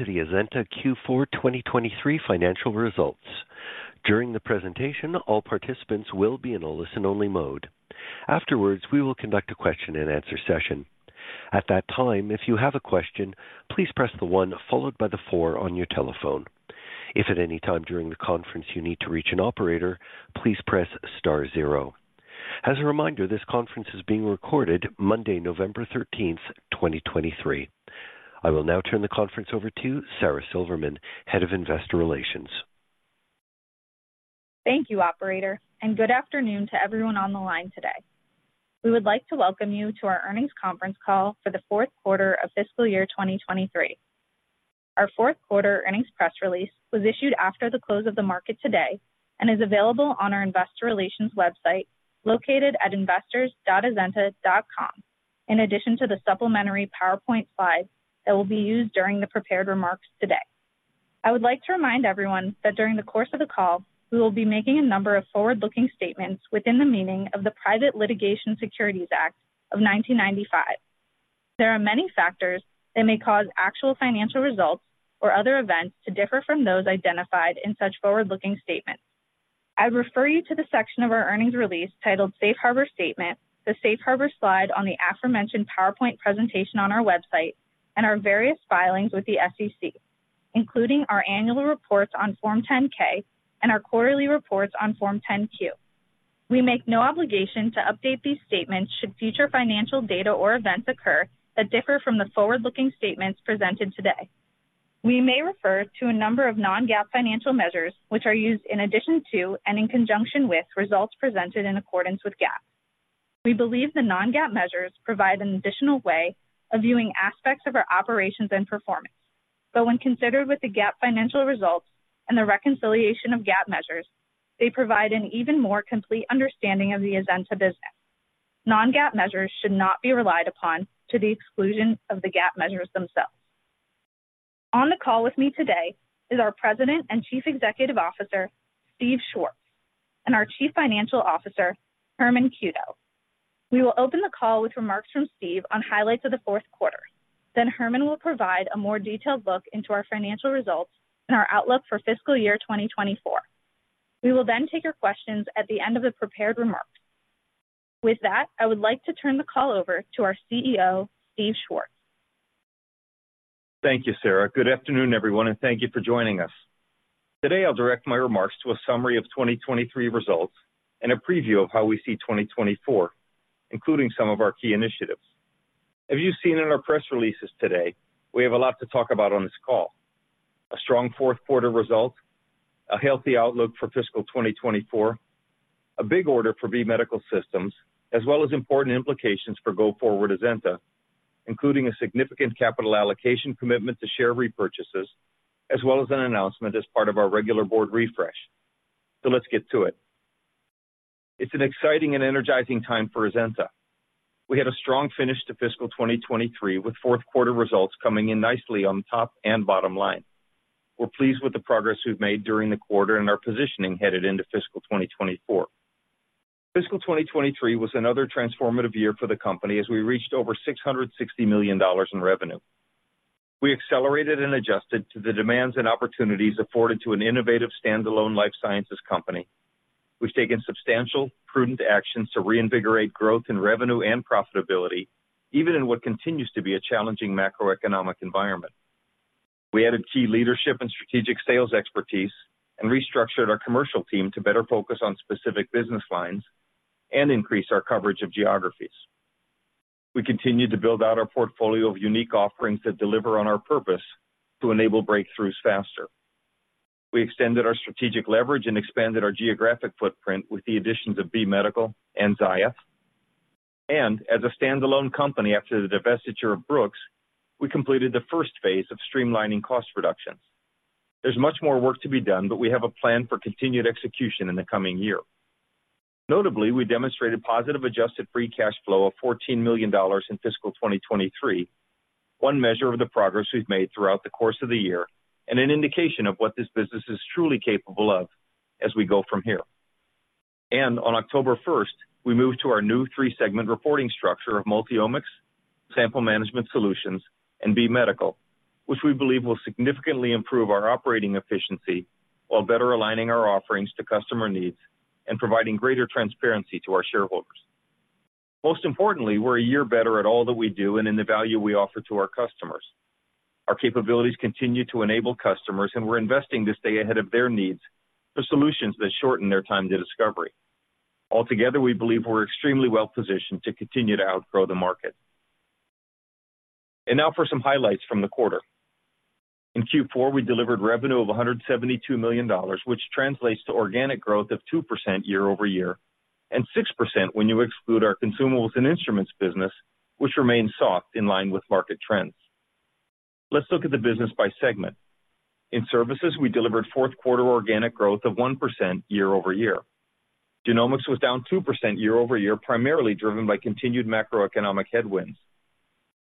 Welcome to the Azenta Q4 2023 Financial Results. During the presentation, all participants will be in a listen-only mode. Afterwards, we will conduct a question and answer session. At that time, if you have a question, please press the one followed by the four on your telephone. If at any time during the conference you need to reach an operator, please press star zero. As a reminder, this conference is being recorded Monday, November 13, 2023. I will now turn the conference over to Sara Silverman, Head of Investor Relations. Thank you, operator, and good afternoon to everyone on the line today. We would like to welcome you to our earnings conference call for the fourth quarter of fiscal year 2023. Our Q4 earnings press release was issued after the close of the market today and is available on our investor relations website, located at investors.azenta.com. In addition to the supplementary PowerPoint slides that will be used during the prepared remarks today, I would like to remind everyone that during the course of the call, we will be making a number of forward-looking statements within the meaning of the Private Securities Litigation Reform Act of 1995. There are many factors that may cause actual financial results or other events to differ from those identified in such forward-looking statements. I refer you to the section of our earnings release titled "Safe Harbor Statement," the Safe Harbor slide on the aforementioned PowerPoint presentation on our website, and our various filings with the SEC, including our annual reports on Form 10-K and our quarterly reports on Form 10-Q. We make no obligation to update these statements should future financial data or events occur that differ from the forward-looking statements presented today. We may refer to a number of non-GAAP financial measures, which are used in addition to and in conjunction with results presented in accordance with GAAP. We believe the non-GAAP measures provide an additional way of viewing aspects of our operations and performance. But when considered with the GAAP financial results and the reconciliation of GAAP measures, they provide an even more complete understanding of the Azenta business. Non-GAAP measures should not be relied upon to the exclusion of the GAAP measures themselves. On the call with me today is our President and Chief Executive Officer, Steve Schwartz, and our Chief Financial Officer, Herman Cueto. We will open the call with remarks from Steve on highlights of the fourth quarter. Then Herman will provide a more detailed look into our financial results and our outlook for fiscal year 2024. We will then take your questions at the end of the prepared remarks. With that, I would like to turn the call over to our CEO, Steve Schwartz. Thank you Sara. Good afternoon everyone and thank you for joining us. Today, I'll direct my remarks to a summary of 2023 results and a preview of how we see 2024, including some of our key initiatives. As you've seen in our press releases today, we have a lot to talk about on this call. A strong Q4 result, a healthy outlook for fiscal 2024, a big order for B Medical Systems, as well as important implications for go-forward Azenta, including a significant capital allocation commitment to share repurchases, as well as an announcement as part of our regular board refresh. So let's get to it. It's an exciting and energizing time for Azenta. We had a strong finish to fiscal 2023, with fourth quarter results coming in nicely on the top and bottom line. We're pleased with the progress we've made during the quarter and our positioning headed into fiscal 2024. Fiscal 2023 was another transformative year for the company as we reached over $660 million in revenue. We accelerated and adjusted to the demands and opportunities afforded to an innovative standalone life sciences company. We've taken substantial, prudent actions to reinvigorate growth in revenue and profitability, even in what continues to be a challenging macroeconomic environment. We added key leadership and strategic sales expertise and restructured our commercial team to better focus on specific business lines and increase our coverage of geographies. We continued to build out our portfolio of unique offerings that deliver on our purpose to enable breakthroughs faster. We extended our strategic leverage and expanded our geographic footprint with the additions of B Medical and Ziath. As a standalone company, after the divestiture of Brooks, we completed the first phase of streamlining cost reductions. There's much more work to be done, but we have a plan for continued execution in the coming year. Notably, we demonstrated positive adjusted free cash flow of $14 million in fiscal 2023, one measure of the progress we've made throughout the course of the year and an indication of what this business is truly capable of as we go from here. On October first, we moved to our new three-segment reporting structure of Multiomics, Sample Management Solutions, and B Medical, which we believe will significantly improve our operating efficiency while better aligning our offerings to customer needs and providing greater transparency to our shareholders. Most importantly, we're a year better at all that we do and in the value we offer to our customers. Our capabilities continue to enable customers, and we're investing to stay ahead of their needs for solutions that shorten their time to discovery. Altogether, we believe we're extremely well positioned to continue to outgrow the market. And now for some highlights from the quarter. In Q4, we delivered revenue of $172 million, which translates to organic growth of 2% year-over-year, and 6% when you exclude our consumables and instruments business, which remains soft in line with market trends. Let's look at the business by segment. In services, we delivered fourth quarter organic growth of 1% year-over-year. Genomics was down 2% year-over-year, primarily driven by continued macroeconomic headwinds.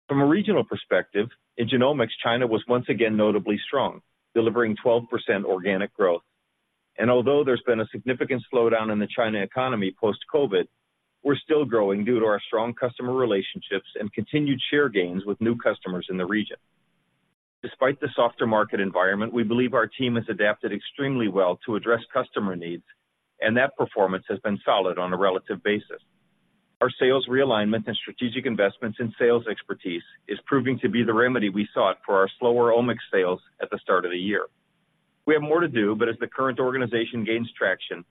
From a regional perspective, in genomics, China was once again notably strong, delivering 12% organic growth.... Although there's been a significant slowdown in the China economy post-COVID, we're still growing due to our strong customer relationships and continued share gains with new customers in the region. Despite the softer market environment, we believe our team has adapted extremely well to address customer needs, and that performance has been solid on a relative basis. Our sales realignment and strategic investments in sales expertise is proving to be the remedy we sought for our slower Omics sales at the start of the year. We have more to do, but as the current organization gains traction,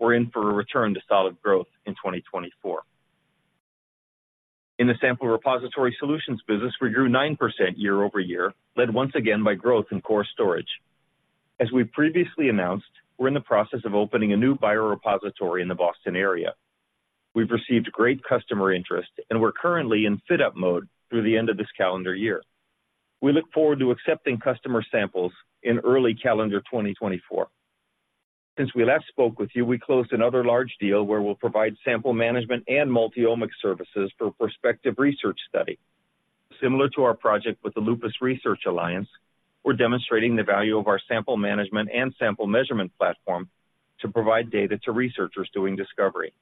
we're in for a return to solid growth in 2024. In the Sample Repository Solutions business, we grew 9% year-over-year, led once again by growth in core storage. As we previously announced, we're in the process of opening a new biorepository in the Boston area. We've received great customer interest, and we're currently in fit-up mode through the end of this calendar year. We look forward to accepting customer samples in early calendar 2024. Since we last spoke with you, we closed another large deal where we'll provide sample management and multi-omics services for a prospective research study. Similar to our project with the Lupus Research Alliance, we're demonstrating the value of our sample management and sample measurement platform to provide data to researchers doing discovery.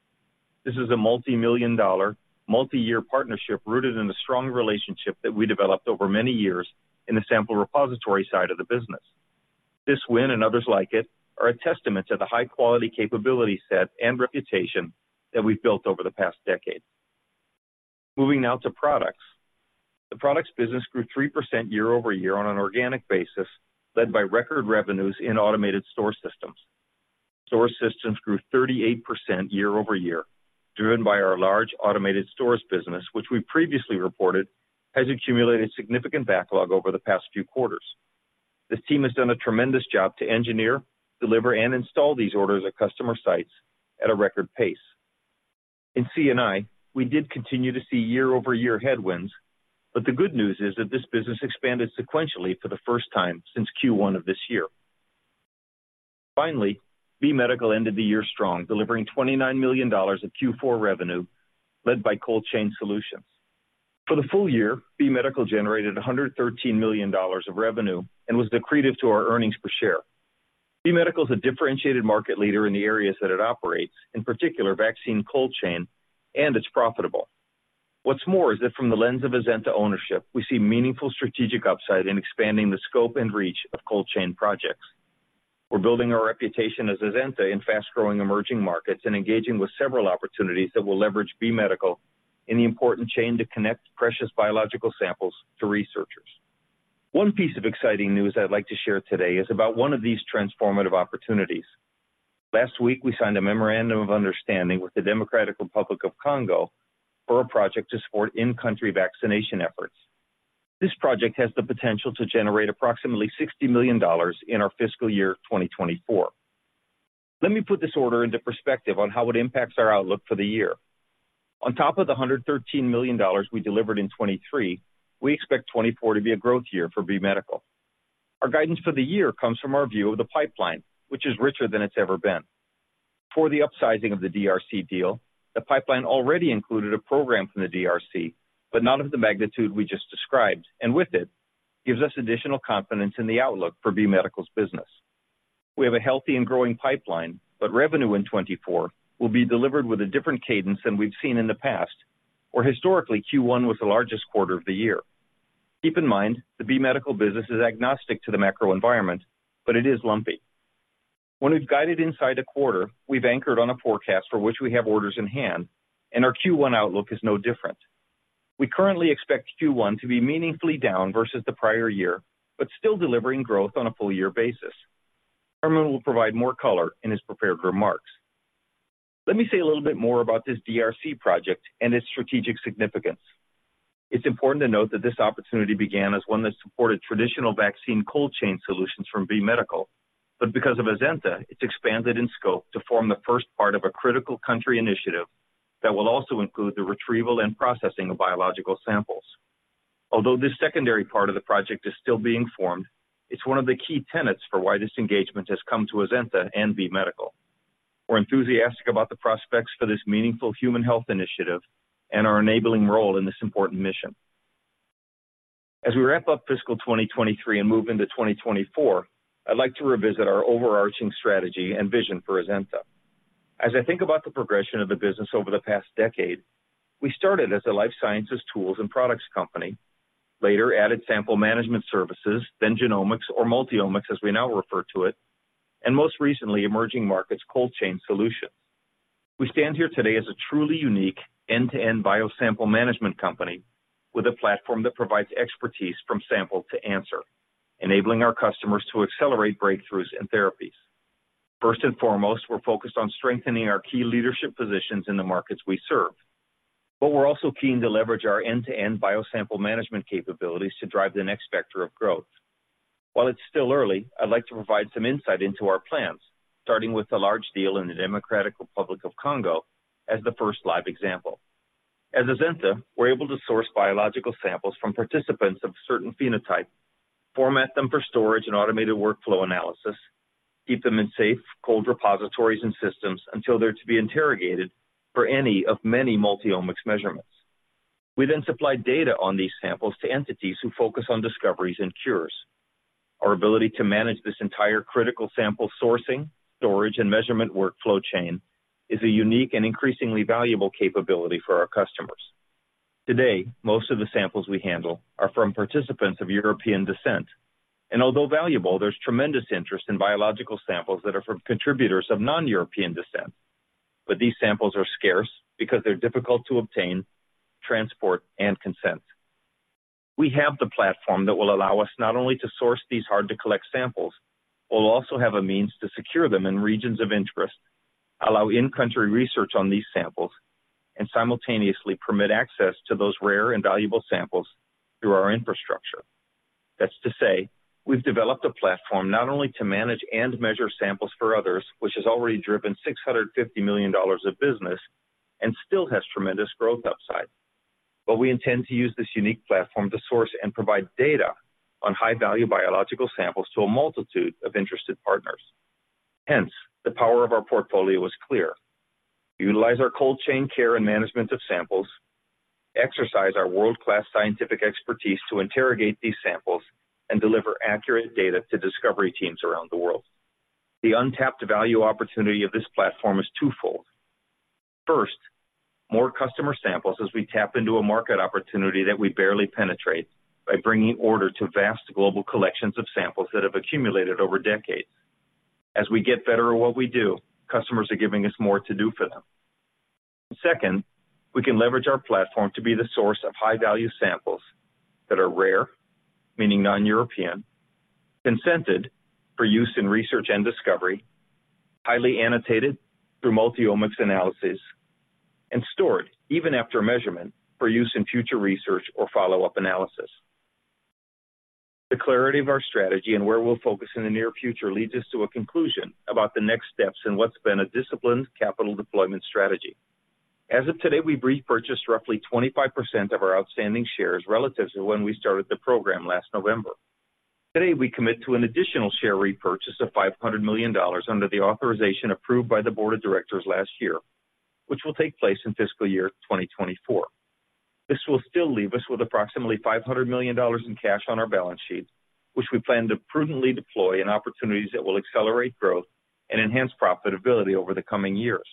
This is a multimillion-dollar, multi-year partnership rooted in a strong relationship that we developed over many years in the sample repository side of the business. This win and others like it, are a testament to the high-quality capability set and reputation that we've built over the past decade. Moving now to products. The products business grew 3% year-over-year on an organic basis, led by record revenues in automated store systems. Store systems grew 38% year-over-year, driven by our large automated stores business, which we previously reported has accumulated significant backlog over the past few quarters. This team has done a tremendous job to engineer, deliver, and install these orders at customer sites at a record pace. In C&I, we did continue to see year-over-year headwinds, but the good news is that this business expanded sequentially for the first time since Q1 of this year. Finally, B Medical ended the year strong, delivering $29 million of Q4 revenue, led by cold chain solutions. For the full year, B Medical generated $113 million of revenue and was accretive to our earnings per share. B Medical is a differentiated market leader in the areas that it operates, in particular, vaccine cold chain, and it's profitable. What's more, is that from the lens of Azenta ownership, we see meaningful strategic upside in expanding the scope and reach of cold chain projects. We're building our reputation as Azenta in fast-growing emerging markets and engaging with several opportunities that will leverage B Medical in the important chain to connect precious biological samples to researchers. One piece of exciting news I'd like to share today is about one of these transformative opportunities. Last week, we signed a memorandum of understanding with the Democratic Republic of Congo for a project to support in-country vaccination efforts. This project has the potential to generate approximately $60 million in our fiscal year 2024. Let me put this order into perspective on how it impacts our outlook for the year. On top of the $113 million we delivered in 2023, we expect 2024 to be a growth year for B Medical. Our guidance for the year comes from our view of the pipeline, which is richer than it's ever been. Before the upsizing of the DRC deal, the pipeline already included a program from the DRC, but not of the magnitude we just described, and with it, gives us additional confidence in the outlook for B Medical's business. We have a healthy and growing pipeline, but revenue in 2024 will be delivered with a different cadence than we've seen in the past, where historically, Q1 was the largest quarter of the year. Keep in mind, the B Medical business is agnostic to the macro environment, but it is lumpy. When we've guided inside a quarter, we've anchored on a forecast for which we have orders in hand, and our Q1 outlook is no different. We currently expect Q1 to be meaningfully down versus the prior year, but still delivering growth on a full year basis. Hermen will provide more color in his prepared remarks. Let me say a little bit more about this DRC project and its strategic significance. It's important to note that this opportunity began as one that supported traditional vaccine cold chain solutions from B Medical, but because of Azenta, it's expanded in scope to form the first part of a critical country initiative that will also include the retrieval and processing of biological samples. Although this secondary part of the project is still being formed, it's one of the key tenets for why this engagement has come to Azenta and B Medical. We're enthusiastic about the prospects for this meaningful human health initiative and our enabling role in this important mission. As we wrap up fiscal 2023 and move into 2024, I'd like to revisit our overarching strategy and vision for Azenta. As I think about the progression of the business over the past decade, we started as a life sciences tools and products company, later added sample management services, then genomics or multi-omics, as we now refer to it, and most recently, emerging markets cold chain solutions. We stand here today as a truly unique end-to-end biosample management company with a platform that provides expertise from sample to answer, enabling our customers to accelerate breakthroughs in therapies. First and foremost, we're focused on strengthening our key leadership positions in the markets we serve, but we're also keen to leverage our end-to-end biosample management capabilities to drive the next vector of growth. While it's still early, I'd like to provide some insight into our plans, starting with the large deal in the Democratic Republic of Congo as the first live example. As Azenta, we're able to source biological samples from participants of certain phenotype, format them for storage and automated workflow analysis, keep them in safe, cold repositories and systems until they're to be interrogated for any of many Multiomics measurements. We then supply data on these samples to entities who focus on discoveries and cures. Our ability to manage this entire critical sample sourcing, storage, and measurement workflow chain is a unique and increasingly valuable capability for our customers. Today, most of the samples we handle are from participants of European descent, and although valuable, there's tremendous interest in biological samples that are from contributors of non-European descent. But these samples are scarce because they're difficult to obtain, transport, and consent. We have the platform that will allow us not only to source these hard-to-collect samples, we'll also have a means to secure them in regions of interest, allow in-country research on these samples, and simultaneously permit access to those rare and valuable samples through our infrastructure. That's to say, we've developed a platform not only to manage and measure samples for others, which has already driven $650 million of business and still has tremendous growth upside, but we intend to use this unique platform to source and provide data on high-value biological samples to a multitude of interested partners. Hence, the power of our portfolio is clear. Utilize our cold chain care and management of samples, exercise our world-class scientific expertise to interrogate these samples, and deliver accurate data to discovery teams around the world. The untapped value opportunity of this platform is twofold. First, more customer samples as we tap into a market opportunity that we barely penetrate by bringing order to vast global collections of samples that have accumulated over decades. As we get better at what we do, customers are giving us more to do for them. Second, we can leverage our platform to be the source of high-value samples that are rare, meaning non-European, consented for use in research and discovery, highly annotated through multi-omics analysis, and stored even after measurement, for use in future research or follow-up analysis. The clarity of our strategy and where we'll focus in the near future leads us to a conclusion about the next steps in what's been a disciplined capital deployment strategy. As of today, we've repurchased roughly 25% of our outstanding shares relative to when we started the program last November. Today, we commit to an additional share repurchase of $500 million under the authorization approved by the board of directors last year, which will take place in fiscal year 2024. This will still leave us with approximately $500 million in cash on our balance sheet, which we plan to prudently deploy in opportunities that will accelerate growth and enhance profitability over the coming years.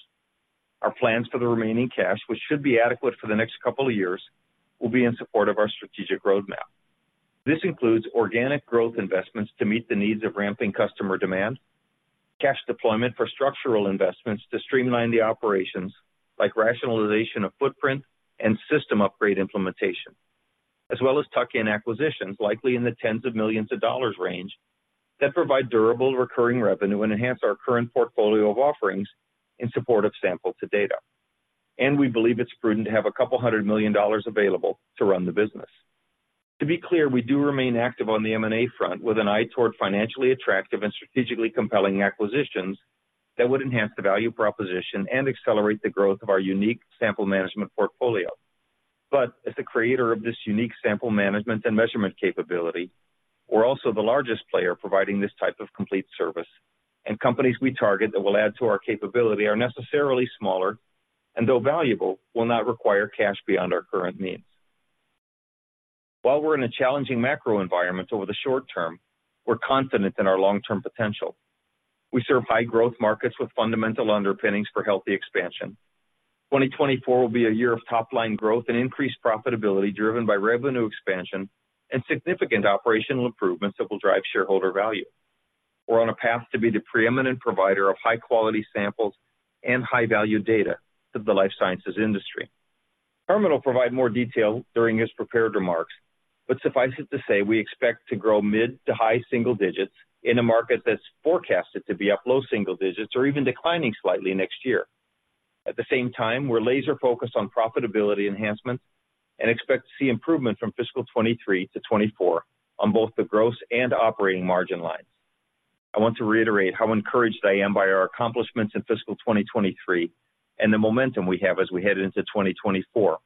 Our plans for the remaining cash, which should be adequate for the next couple of years, will be in support of our strategic roadmap. This includes organic growth investments to meet the needs of ramping customer demand, cash deployment for structural investments to streamline the operations, like rationalization of footprint and system upgrade implementation, as well as tuck-in acquisitions, likely in the $ tens of millions range, that provide durable recurring revenue and enhance our current portfolio of offerings in support of sample to data. We believe it's prudent to have $200 million available to run the business. To be clear, we do remain active on the M&A front, with an eye toward financially attractive and strategically compelling acquisitions that would enhance the value proposition and accelerate the growth of our unique sample management portfolio. But as the creator of this unique sample management and measurement capability, we're also the largest player providing this type of complete service, and companies we target that will add to our capability are necessarily smaller, and though valuable, will not require cash beyond our current means. While we're in a challenging macro environment over the short term, we're confident in our long-term potential. We serve high-growth markets with fundamental underpinnings for healthy expansion. 2024 will be a year of top-line growth and increased profitability, driven by revenue expansion and significant operational improvements that will drive shareholder value. We're on a path to be the preeminent provider of high-quality samples and high-value data to the life sciences industry. Herman will provide more detail during his prepared remarks, but suffice it to say, we expect to grow mid to high single digits in a market that's forecasted to be up low single digits or even declining slightly next year. At the same time, we're laser focused on profitability enhancements and expect to see improvement from fiscal 2023 to 2024 on both the gross and operating margin lines. I want to reiterate how encouraged I am by our accomplishments in fiscal 2023 and the momentum we have as we head into 2024.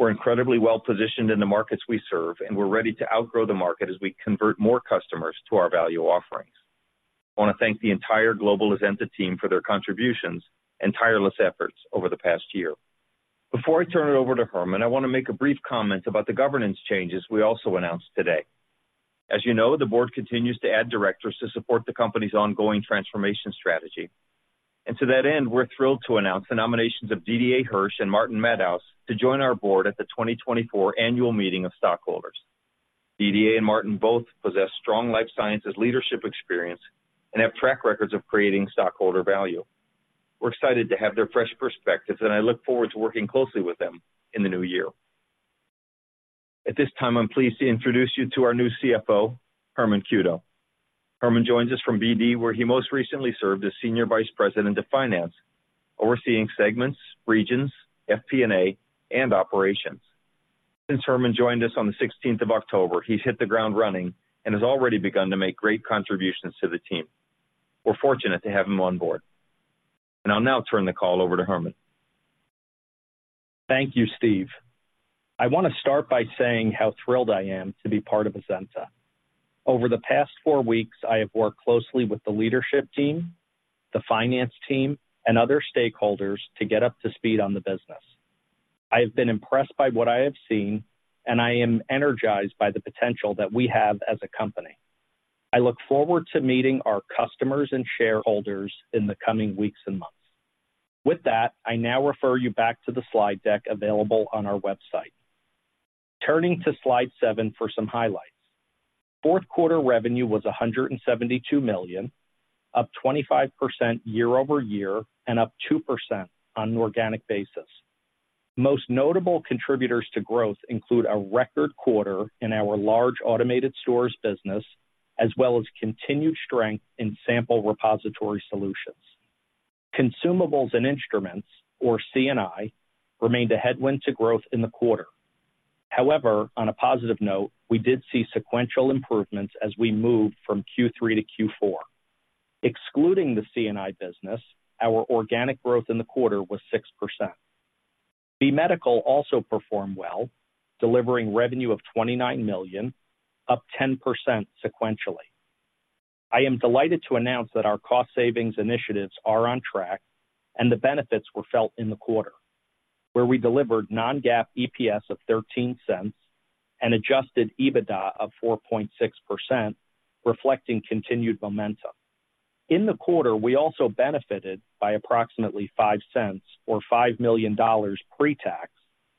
We're incredibly well-positioned in the markets we serve, and we're ready to outgrow the market as we convert more customers to our value offerings. I want to thank the entire global Azenta team for their contributions and tireless efforts over the past year. Before I turn it over to Herman, I want to make a brief comment about the governance changes we also announced today. As you know, the board continues to add directors to support the company's ongoing transformation strategy. To that end, we're thrilled to announce the nominations of Didier Hirsch and Martin Madaus to join our board at the 2024 annual meeting of stockholders. Dida and Martin both possess strong life sciences leadership experience and have track records of creating stockholder value. We're excited to have their fresh perspectives, and I look forward to working closely with them in the new year. At this time, I'm pleased to introduce you to our new CFO, Herman Cueto. Herman joins us from BD, where he most recently served as Senior Vice President of Finance, overseeing segments, regions, FP&A, and operations. Since Herman joined us on the sixteenth of October, he's hit the ground running and has already begun to make great contributions to the team. We're fortunate to have him on board. I'll now turn the call over to Herman. Thank you, Steve. I want to start by saying how thrilled I am to be part of Azenta.... Over the past four weeks, I have worked closely with the leadership team, the finance team, and other stakeholders to get up to speed on the business. I have been impressed by what I have seen, and I am energized by the potential that we have as a company. I look forward to meeting our customers and shareholders in the coming weeks and months. With that, I now refer you back to the slide deck available on our website. Turning to slide 7 for some highlights. Q4 revenue was $172 million, up 25% year-over-year, and up 2% on an organic basis. Most notable contributors to growth include a record quarter in our large automated stores business, as well as continued strength in Sample Repository Solutions. Consumables and Instruments, or C&I, remained a headwind to growth in the quarter. However, on a positive note, we did see sequential improvements as we moved from Q3 to Q4. Excluding the C&I business, our organic growth in the quarter was 6%. B Medical also performed well, delivering revenue of $29 million, up 10% sequentially. I am delighted to announce that our cost savings initiatives are on track, and the benefits were felt in the quarter, where we delivered Non-GAAP EPS of $0.13 and Adjusted EBITDA of 4.6%, reflecting continued momentum. In the quarter, we also benefited by approximately $0.05 or $5 million pre-tax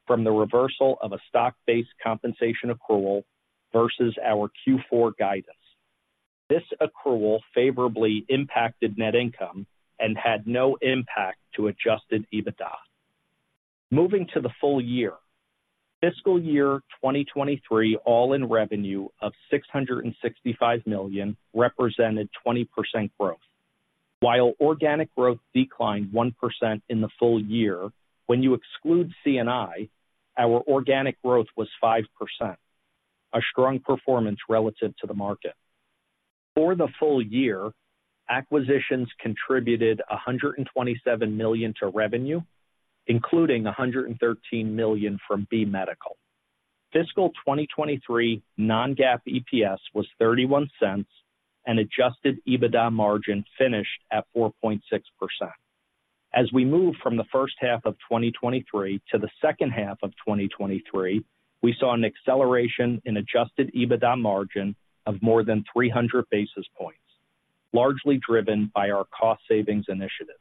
from the reversal of a stock-based compensation accrual versus our Q4 guidance. This accrual favorably impacted net income and had no impact to Adjusted EBITDA. Moving to the full year, fiscal year 2023, all-in revenue of $665 million represented 20% growth. While organic growth declined 1% in the full year, when you exclude C&I, our organic growth was 5%, a strong performance relative to the market. For the full year, acquisitions contributed $127 million to revenue, including $113 million from B Medical. Fiscal 2023 non-GAAP EPS was $0.31, and adjusted EBITDA margin finished at 4.6%. As we move from the first half of 2023 to the second half of 2023, we saw an acceleration in adjusted EBITDA margin of more than 300 basis points, largely driven by our cost savings initiatives.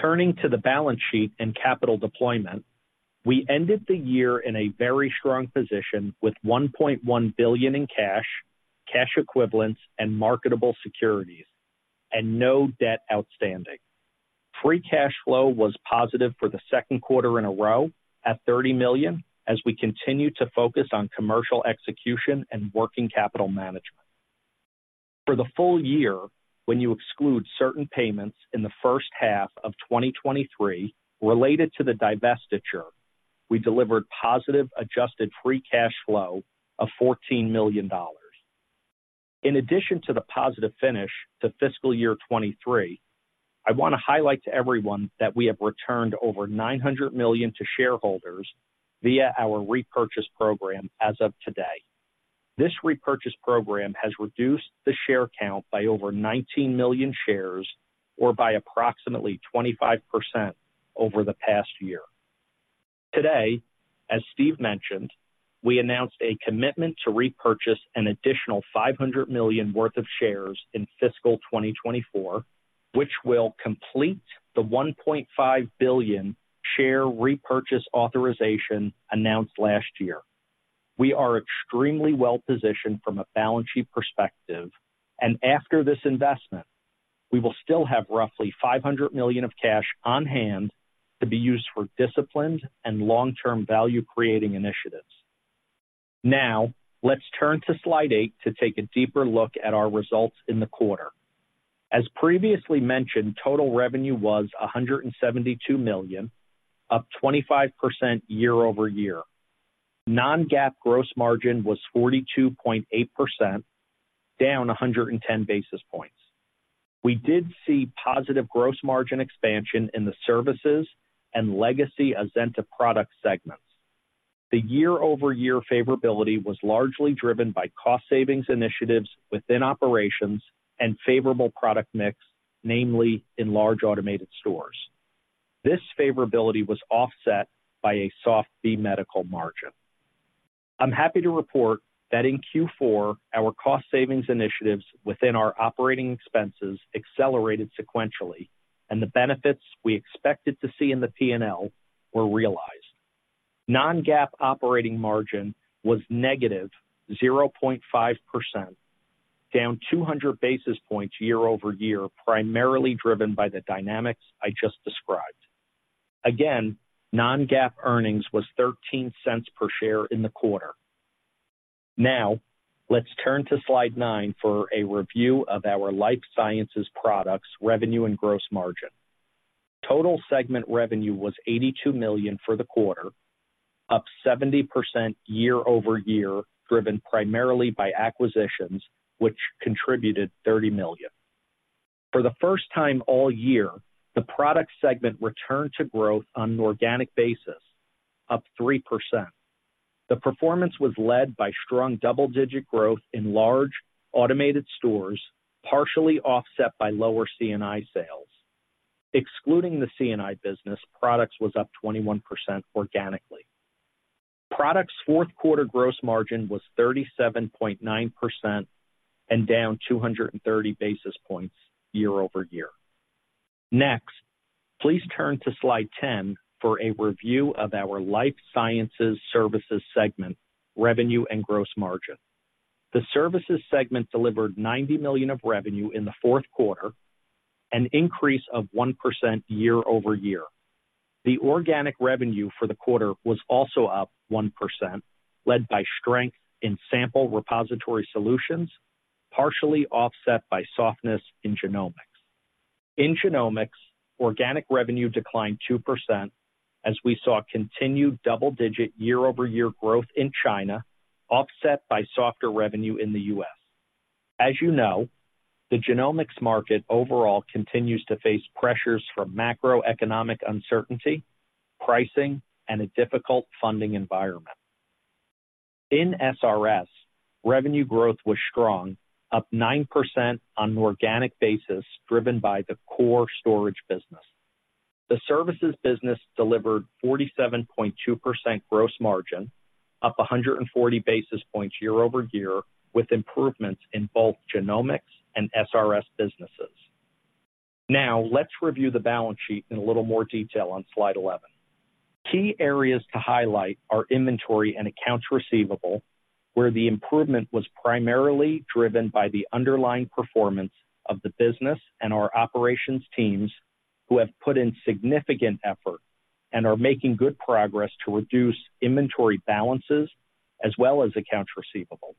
Turning to the balance sheet and capital deployment, we ended the year in a very strong position with $1.1 billion in cash, cash equivalents, and marketable securities, and no debt outstanding. Free cash flow was positive for the second quarter in a row at $30 million as we continue to focus on commercial execution and working capital management. For the full year, when you exclude certain payments in the first half of 2023 related to the divestiture, we delivered positive adjusted free cash flow of $14 million. In addition to the positive finish to fiscal year 2023, I want to highlight to everyone that we have returned over $900 million to shareholders via our repurchase program as of today. This repurchase program has reduced the share count by over 19 million shares or by approximately 25% over the past year. Today, as Steve mentioned, we announced a commitment to repurchase an additional $500 million worth of shares in fiscal 2024, which will complete the $1.5 billion share repurchase authorization announced last year. We are extremely well-positioned from a balance sheet perspective, and after this investment, we will still have roughly $500 million of cash on hand to be used for disciplined and long-term value-creating initiatives. Now, let's turn to slide 8 to take a deeper look at our results in the quarter. As previously mentioned, total revenue was $172 million, up 25% year-over-year. Non-GAAP gross margin was 42.8%, down 110 basis points. We did see positive gross margin expansion in the services and legacy Azenta product segments. The year-over-year favorability was largely driven by cost savings initiatives within operations and favorable product mix, namely in large automated stores. This favorability was offset by a soft B Medical margin. I'm happy to report that in Q4, our cost savings initiatives within our operating expenses accelerated sequentially, and the benefits we expected to see in the P&L were realized. Non-GAAP operating margin was negative 0.5%, down 200 basis points year-over-year, primarily driven by the dynamics I just described. Again, non-GAAP earnings was $0.13 per share in the quarter. Now, let's turn to slide 9 for a review of our life sciences products, revenue and gross margin. Total segment revenue was $82 million for the quarter, up 70% year-over-year, driven primarily by acquisitions, which contributed $30 million. For the first time all year, the product segment returned to growth on an organic basis, up 3%. The performance was led by strong double-digit growth in large automated stores, partially offset by lower C&I sales. Excluding the C&I business, products was up 21% organically. Products' fourth quarter gross margin was 37.9% and down 230 basis points year-over-year. Next, please turn to slide 10 for a review of our life sciences services segment, revenue and gross margin. The services segment delivered $90 million of revenue in the fourth quarter, an increase of 1% year-over-year. The organic revenue for the quarter was also up 1%, led by strength in sample repository solutions, partially offset by softness in genomics. In genomics, organic revenue declined 2% as we saw continued double-digit year-over-year growth in China, offset by softer revenue in the U.S. As you know, the genomics market overall continues to face pressures from macroeconomic uncertainty, pricing, and a difficult funding environment. In SRS, revenue growth was strong, up 9% on an organic basis, driven by the core storage business. The services business delivered 47.2% gross margin, up 140 basis points year-over-year, with improvements in both genomics and SRS businesses. Now, let's review the balance sheet in a little more detail on slide 11. Key areas to highlight are inventory and accounts receivable, where the improvement was primarily driven by the underlying performance of the business and our operations teams, who have put in significant effort and are making good progress to reduce inventory balances as well as accounts receivable,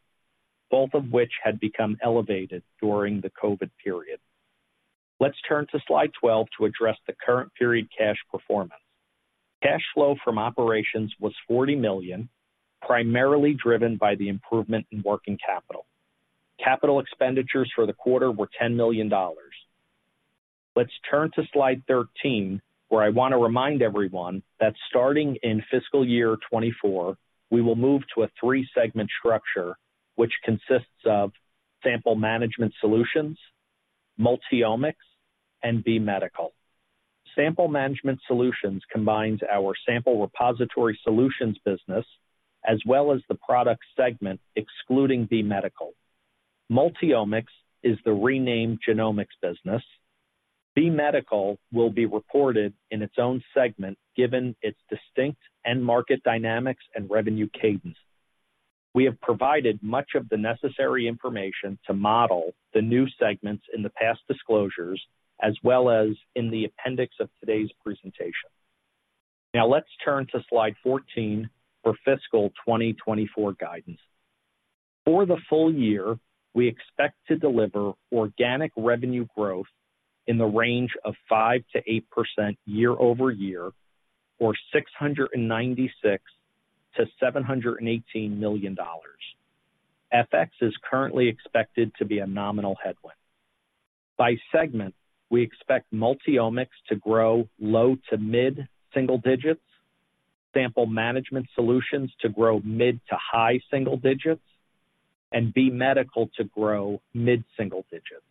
both of which had become elevated during the COVID period. Let's turn to slide 12 to address the current period cash performance. Cash flow from operations was $40 million, primarily driven by the improvement in working capital. Capital expenditures for the quarter were $10 million. Let's turn to slide 13, where I want to remind everyone that starting in fiscal year 2024, we will move to a 3-segment structure, which consists of Sample Management Solutions, Multiomics, and B Medical. Sample Management Solutions combines our Sample Repository Solutions business, as well as the product segment, excluding B Medical. Multiomics is the renamed genomics business. B Medical will be reported in its own segment, given its distinct end market dynamics and revenue cadence. We have provided much of the necessary information to model the new segments in the past disclosures, as well as in the appendix of today's presentation. Now, let's turn to slide 14 for fiscal 2024 guidance. For the full year, we expect to deliver organic revenue growth in the range of 5% to 8% year-over-year, or $696 million to $718 million. FX is currently expected to be a nominal headwind. By segment, we expect Multiomics to grow low to mid-single digits, Sample Management Solutions to grow mid to high single digits, and B Medical to grow mid-single digits.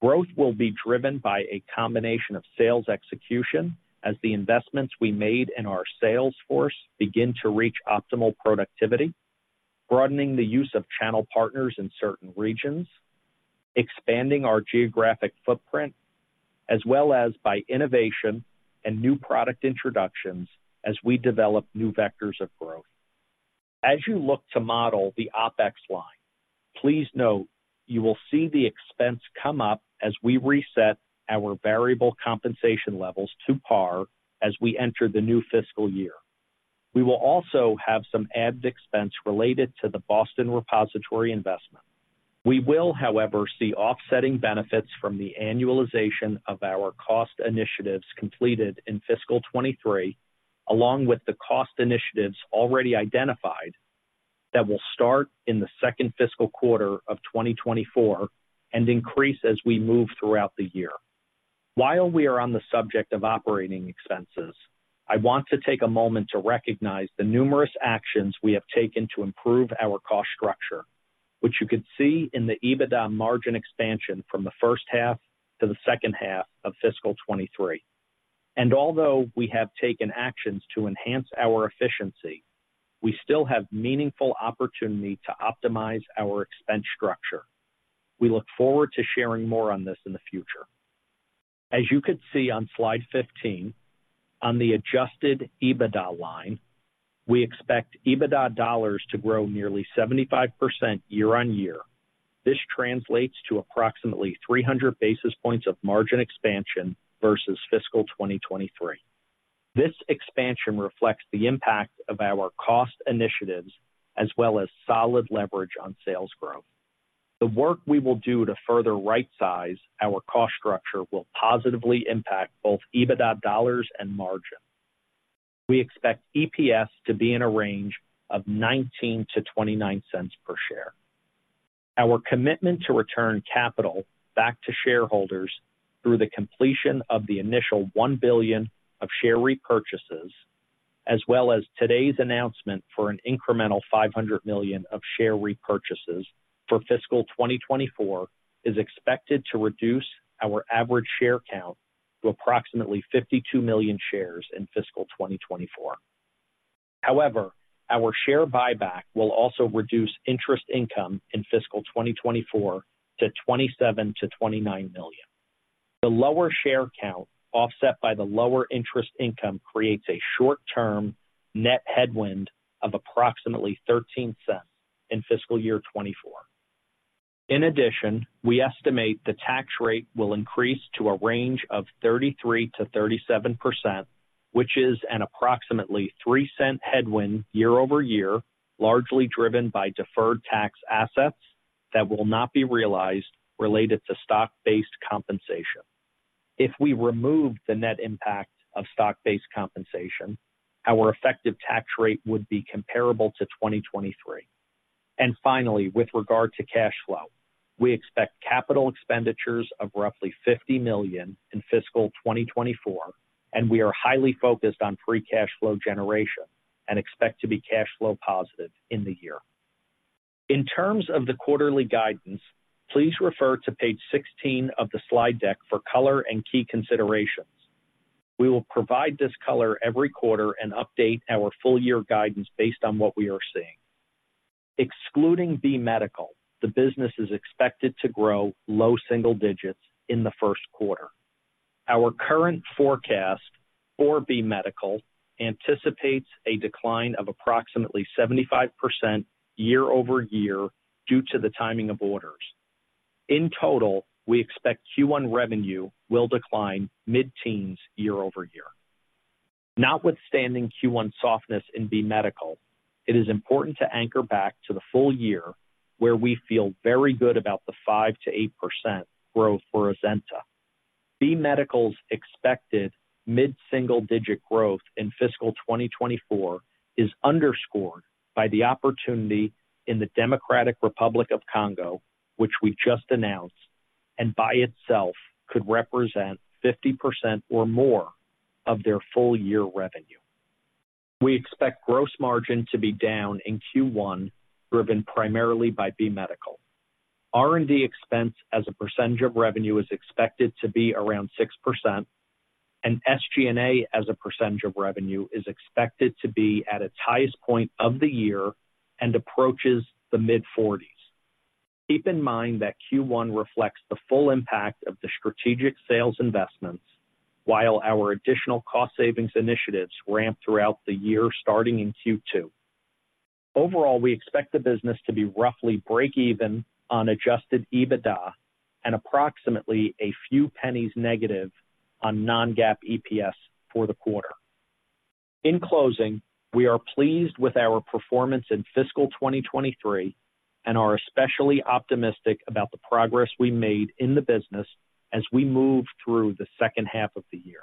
Growth will be driven by a combination of sales execution as the investments we made in our sales force begin to reach optimal productivity, broadening the use of channel partners in certain regions, expanding our geographic footprint, as well as by innovation and new product introductions as we develop new vectors of growth. As you look to model the OpEx line, please note you will see the expense come up as we reset our variable compensation levels to par as we enter the new fiscal year. We will also have some added expense related to the Boston repository investment. We will, however, see offsetting benefits from the annualization of our cost initiatives completed in fiscal 2023, along with the cost initiatives already identified, that will start in the second fiscal quarter of 2024 and increase as we move throughout the year. While we are on the subject of operating expenses, I want to take a moment to recognize the numerous actions we have taken to improve our cost structure, which you can see in the EBITDA margin expansion from the first half to the second half of fiscal 2023. Although we have taken actions to enhance our efficiency, we still have meaningful opportunity to optimize our expense structure. We look forward to sharing more on this in the future. As you can see on slide 15, on the adjusted EBITDA line, we expect EBITDA dollars to grow nearly 75% year-on-year. This translates to approximately 300 basis points of margin expansion versus fiscal 2023. This expansion reflects the impact of our cost initiatives as well as solid leverage on sales growth. The work we will do to further rightsize our cost structure will positively impact both EBITDA dollars and margin. We expect EPS to be in a range of $0.19 to $0.29 per share. Our commitment to return capital back to shareholders through the completion of the initial $1 billion of share repurchases, as well as today's announcement for an incremental $500 million of share repurchases for fiscal 2024, is expected to reduce our average share count to approximately 52 million shares in fiscal 2024. However, our share buyback will also reduce interest income in fiscal 2024 to $27 to $29 million. The lower share count, offset by the lower interest income, creates a short-term net headwind of approximately $0.13 in fiscal year 2024. In addition, we estimate the tax rate will increase to a range of 33% to 37%, which is an approximately $0.03 headwind year-over-year, largely driven by deferred tax assets that will not be realized related to stock-based compensation. If we remove the net impact of stock-based compensation, our effective tax rate would be comparable to 2023. Finally, with regard to cash flow, we expect capital expenditures of roughly $50 million in fiscal 2024, and we are highly focused on free cash flow generation and expect to be cash flow positive in the year. In terms of the quarterly guidance, please refer to page 16 of the slide deck for color and key considerations. We will provide this color every quarter and update our full-year guidance based on what we are seeing. Excluding B Medical, the business is expected to grow low single digits in the first quarter. Our current forecast for B Medical anticipates a decline of approximately 75% year-over-year due to the timing of orders. In total, we expect Q1 revenue will decline mid-teens year-over-year. Notwithstanding Q1 softness in B Medical, it is important to anchor back to the full year, where we feel very good about the 5% to 8% growth for Azenta. B Medical's expected mid-single-digit growth in fiscal 2024 is underscored by the opportunity in the Democratic Republic of Congo, which we've just announced, and by itself could represent 50% or more of their full year revenue. We expect gross margin to be down in Q1, driven primarily by B Medical. R&D expense as a percentage of revenue is expected to be around 6%, and SG&A as a percentage of revenue is expected to be at its highest point of the year and approaches the mid-40s%. Keep in mind that Q1 reflects the full impact of the strategic sales investments, while our additional cost savings initiatives ramp throughout the year, starting in Q2. Overall, we expect the business to be roughly break even on adjusted EBITDA and approximately a few pennies negative on non-GAAP EPS for the quarter. In closing, we are pleased with our performance in fiscal 2023 and are especially optimistic about the progress we made in the business as we move through the second half of the year.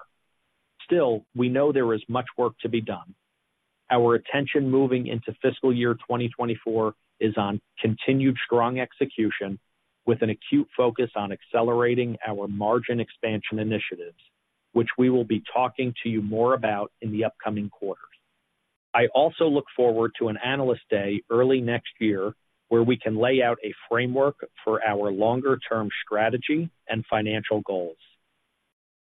Still, we know there is much work to be done. Our attention moving into fiscal year 2024 is on continued strong execution with an acute focus on accelerating our margin expansion initiatives, which we will be talking to you more about in the upcoming quarters. I also look forward to an Analyst Day early next year, where we can lay out a framework for our longer-term strategy and financial goals.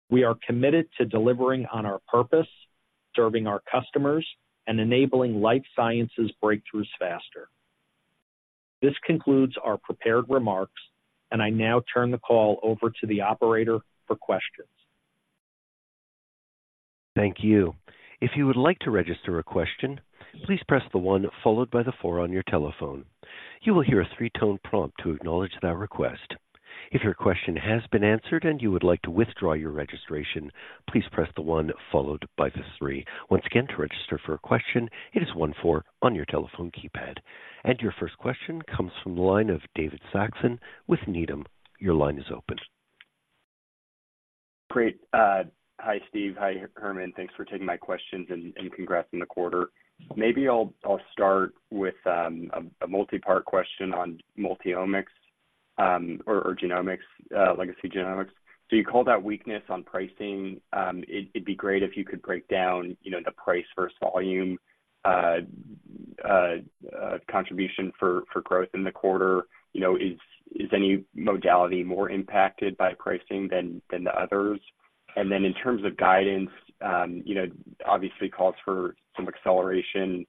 We are committed to delivering on our purpose, serving our customers, and enabling life sciences breakthroughs faster. This concludes our prepared remarks, and I now turn the call over to the operator for questions. Thank you. If you would like to register a question, please press the 1 followed by the 4 on your telephone. You will hear a 3-tone prompt to acknowledge that request. If your question has been answered and you would like to withdraw your registration, please press the 1 followed by the 3. Once again, to register for a question, it is 1 4 on your telephone keypad. Your first question comes from the line of David Saxon with Needham. Your line is open. Great. Hi, Steve. Hi, Herman. Thanks for taking my questions and congrats on the quarter. Maybe I'll start with a multi-part question on multi-omics, or genomics, legacy genomics. So you called out weakness on pricing. It'd be great if you could break down, you know, the price versus volume contribution for growth in the quarter. You know, is any modality more impacted by pricing than the others? And then in terms of guidance, you know, obviously calls for some acceleration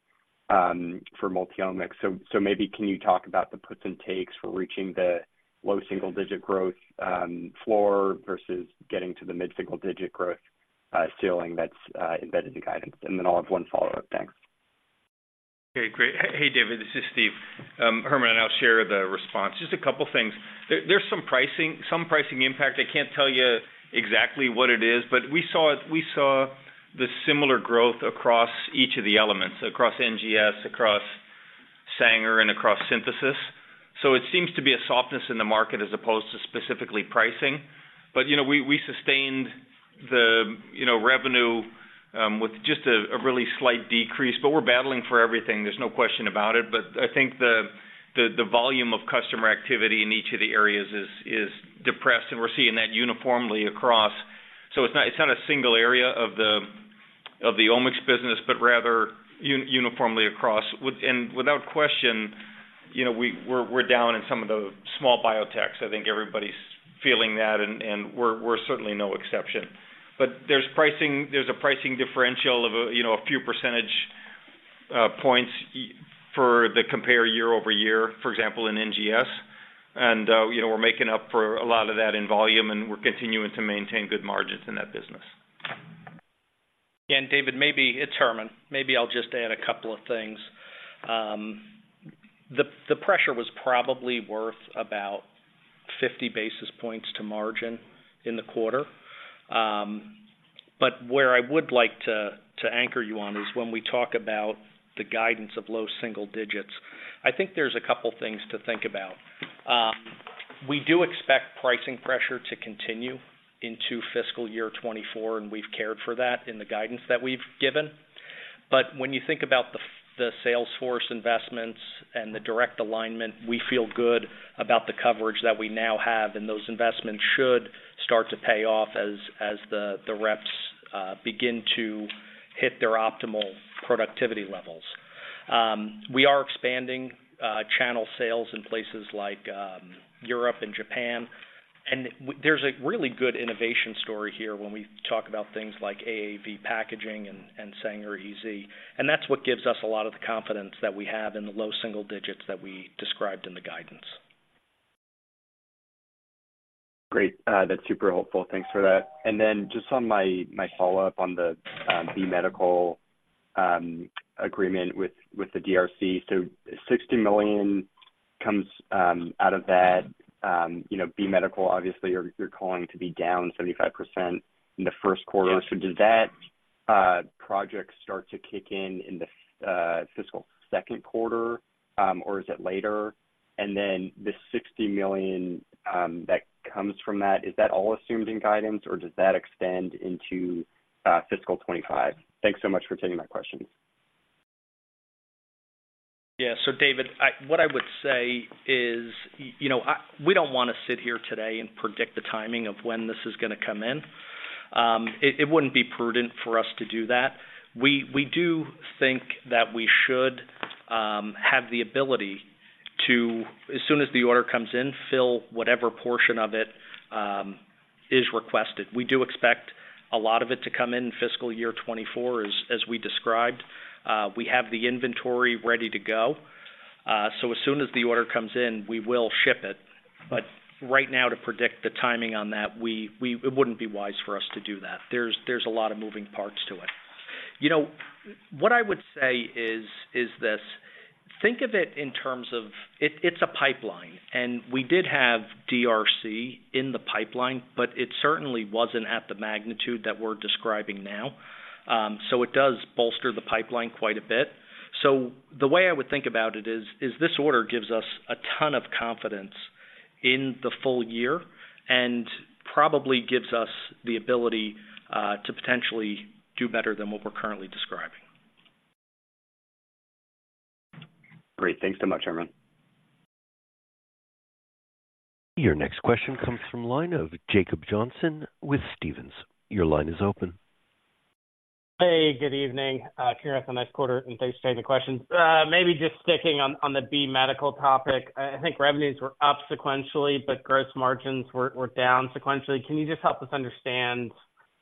for multi-omics. So maybe can you talk about the puts and takes for reaching the low single digit growth floor versus getting to the mid-single digit growth ceiling that's embedded in the guidance? And then I'll have one follow-up. Thanks. Okay, great. Hey, David, this is Steve. Herman and I'll share the response. Just a couple things. There's some pricing, some pricing impact. I can't tell you exactly what it is, but we saw it, we saw the similar growth across each of the elements, across NGS, across-... Sanger and across synthesis. So it seems to be a softness in the market as opposed to specifically pricing. But, you know, we sustained the, you know, revenue with just a really slight decrease, but we're battling for everything, there's no question about it. But I think the volume of customer activity in each of the areas is depressed, and we're seeing that uniformly across. So it's not a single area of the Omics business, but rather uniformly across. And without question, you know, we're down in some of the small biotechs. I think everybody's feeling that, and we're certainly no exception. But there's pricing. There's a pricing differential of a few percentage points for the comparable year-over-year, for example, in NGS. You know, we're making up for a lot of that in volume, and we're continuing to maintain good margins in that business. David, maybe... It's Herman. Maybe I'll just add a couple of things. The pressure was probably worth about 50 basis points to margin in the quarter. But where I would like to anchor you on is when we talk about the guidance of low single digits. I think there's a couple things to think about. We do expect pricing pressure to continue into fiscal year 2024, and we've cared for that in the guidance that we've given. But when you think about the sales force investments and the direct alignment, we feel good about the coverage that we now have, and those investments should start to pay off as the reps begin to hit their optimal productivity levels. We are expanding channel sales in places like Europe and Japan, and there's a really good innovation story here when we talk about things like AAV packaging and Sanger-EZ. And that's what gives us a lot of the confidence that we have in the low single digits that we described in the guidance. Great. That's super helpful. Thanks for that. And then just on my follow-up on the B Medical agreement with the DRC. So $60 million comes out of that, you know, B Medical, obviously, you're calling to be down 75% in the first quarter. Yes. So does that project start to kick in in the fiscal Q2, or is it later? And then the $60 million that comes from that, is that all assumed in guidance, or does that extend into fiscal 2025? Thanks so much for taking my questions. Yeah. So David, what I would say is, you know, we don't want to sit here today and predict the timing of when this is gonna come in. It wouldn't be prudent for us to do that. We do think that we should have the ability to, as soon as the order comes in, fill whatever portion of it is requested. We do expect a lot of it to come in fiscal year 2024, as we described. We have the inventory ready to go. So as soon as the order comes in, we will ship it. But right now, to predict the timing on that, it wouldn't be wise for us to do that. There's a lot of moving parts to it. You know, what I would say is this: think of it in terms of it's a pipeline, and we did have DRC in the pipeline, but it certainly wasn't at the magnitude that we're describing now. So it does bolster the pipeline quite a bit. So the way I would think about it is this order gives us a ton of confidence in the full year and probably gives us the ability to potentially do better than what we're currently describing. Great. Thanks so much, Herman. Your next question comes from the line of Jacob Johnson with Stephens. Your line is open. Hey, good evening. Congrats on this quarter, and thanks for taking the questions. Maybe just sticking on the B Medical topic. I, I think revenues were up sequentially, but gross margins were down sequentially. Can you just help us understand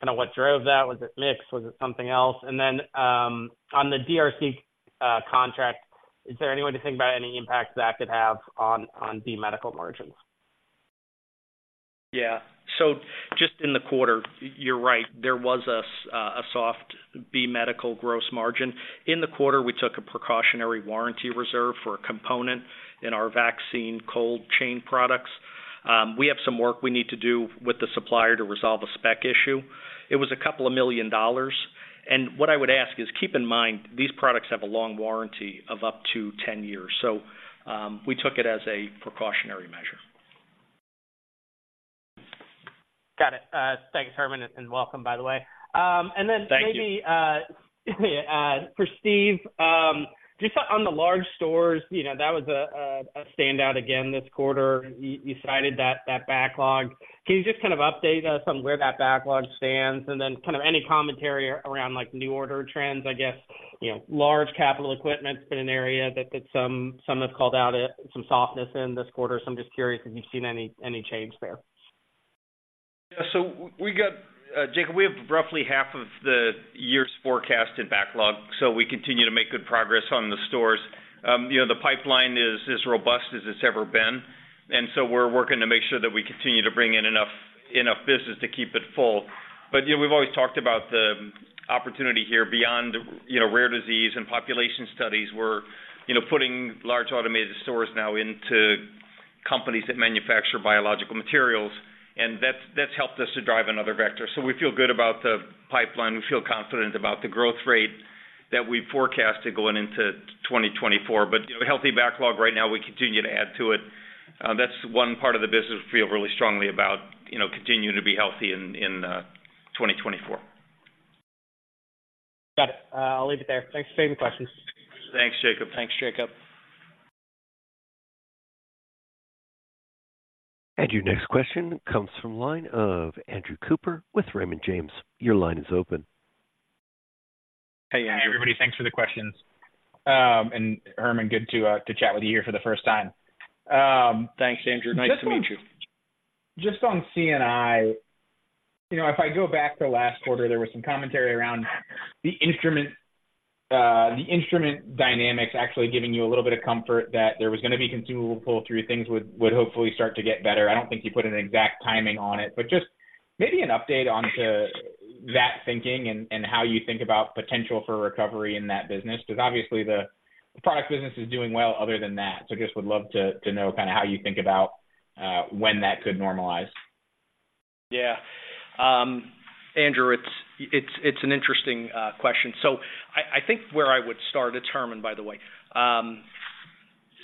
kind of what drove that? Was it mix? Was it something else? And then, on the DRC contract, is there any way to think about any impact that could have on B Medical margins? Yeah. So just in the quarter, you're right, there was a soft B Medical gross margin. In the quarter, we took a precautionary warranty reserve for a component in our vaccine cold chain products. We have some work we need to do with the supplier to resolve a spec issue. It was $2 million, and what I would ask is, keep in mind, these products have a long warranty of up to 10 years. So, we took it as a precautionary measure. Got it. Thanks, Herman, and welcome, by the way. And then- Thank you. Maybe for Steve, just on the large stores, you know, that was a standout again this quarter. You cited that backlog. Can you just kind of update us on where that backlog stands? And then kind of any commentary around, like, new order trends, I guess. You know, large capital equipment's been an area that some have called out some softness in this quarter. So I'm just curious if you've seen any change there. Yeah, so we got, Jacob, we have roughly half of the year's forecast in backlog, so we continue to make good progress on the stores. You know, the pipeline is as robust as it's ever been, and so we're working to make sure that we continue to bring in enough, enough business to keep it full. But, you know, we've always talked about the opportunity here beyond, you know, rare disease and population studies. We're, you know, putting large automated stores now into companies that manufacture biological materials, and that's, that's helped us to drive another vector. So we feel good about the pipeline. We feel confident about the growth rate that we forecasted going into 2024. But healthy backlog right now, we continue to add to it. That's one part of the business we feel really strongly about, you know, continuing to be healthy in 2024. Got it. I'll leave it there. Thanks for taking the questions. Thanks, Jacob. Thanks, Jacob. Your next question comes from the line of Andrew Cooper with Raymond James. Your line is open. Hey, everybody. Thanks for the questions. And Herman, good to chat with you here for the first time. Thanks, Andrew. Nice to meet you. Just on C&I, you know, if I go back to last quarter, there was some commentary around the instrument, the instrument dynamics, actually giving you a little bit of comfort that there was gonna be consumable pull-through, things would hopefully start to get better. I don't think you put an exact timing on it, but just maybe an update onto that thinking and how you think about potential for recovery in that business. 'Cause obviously, the product business is doing well other than that. So just would love to know kinda how you think about when that could normalize. Yeah. Andrew, it's an interesting question. So I think where I would start, it's Herman, by the way.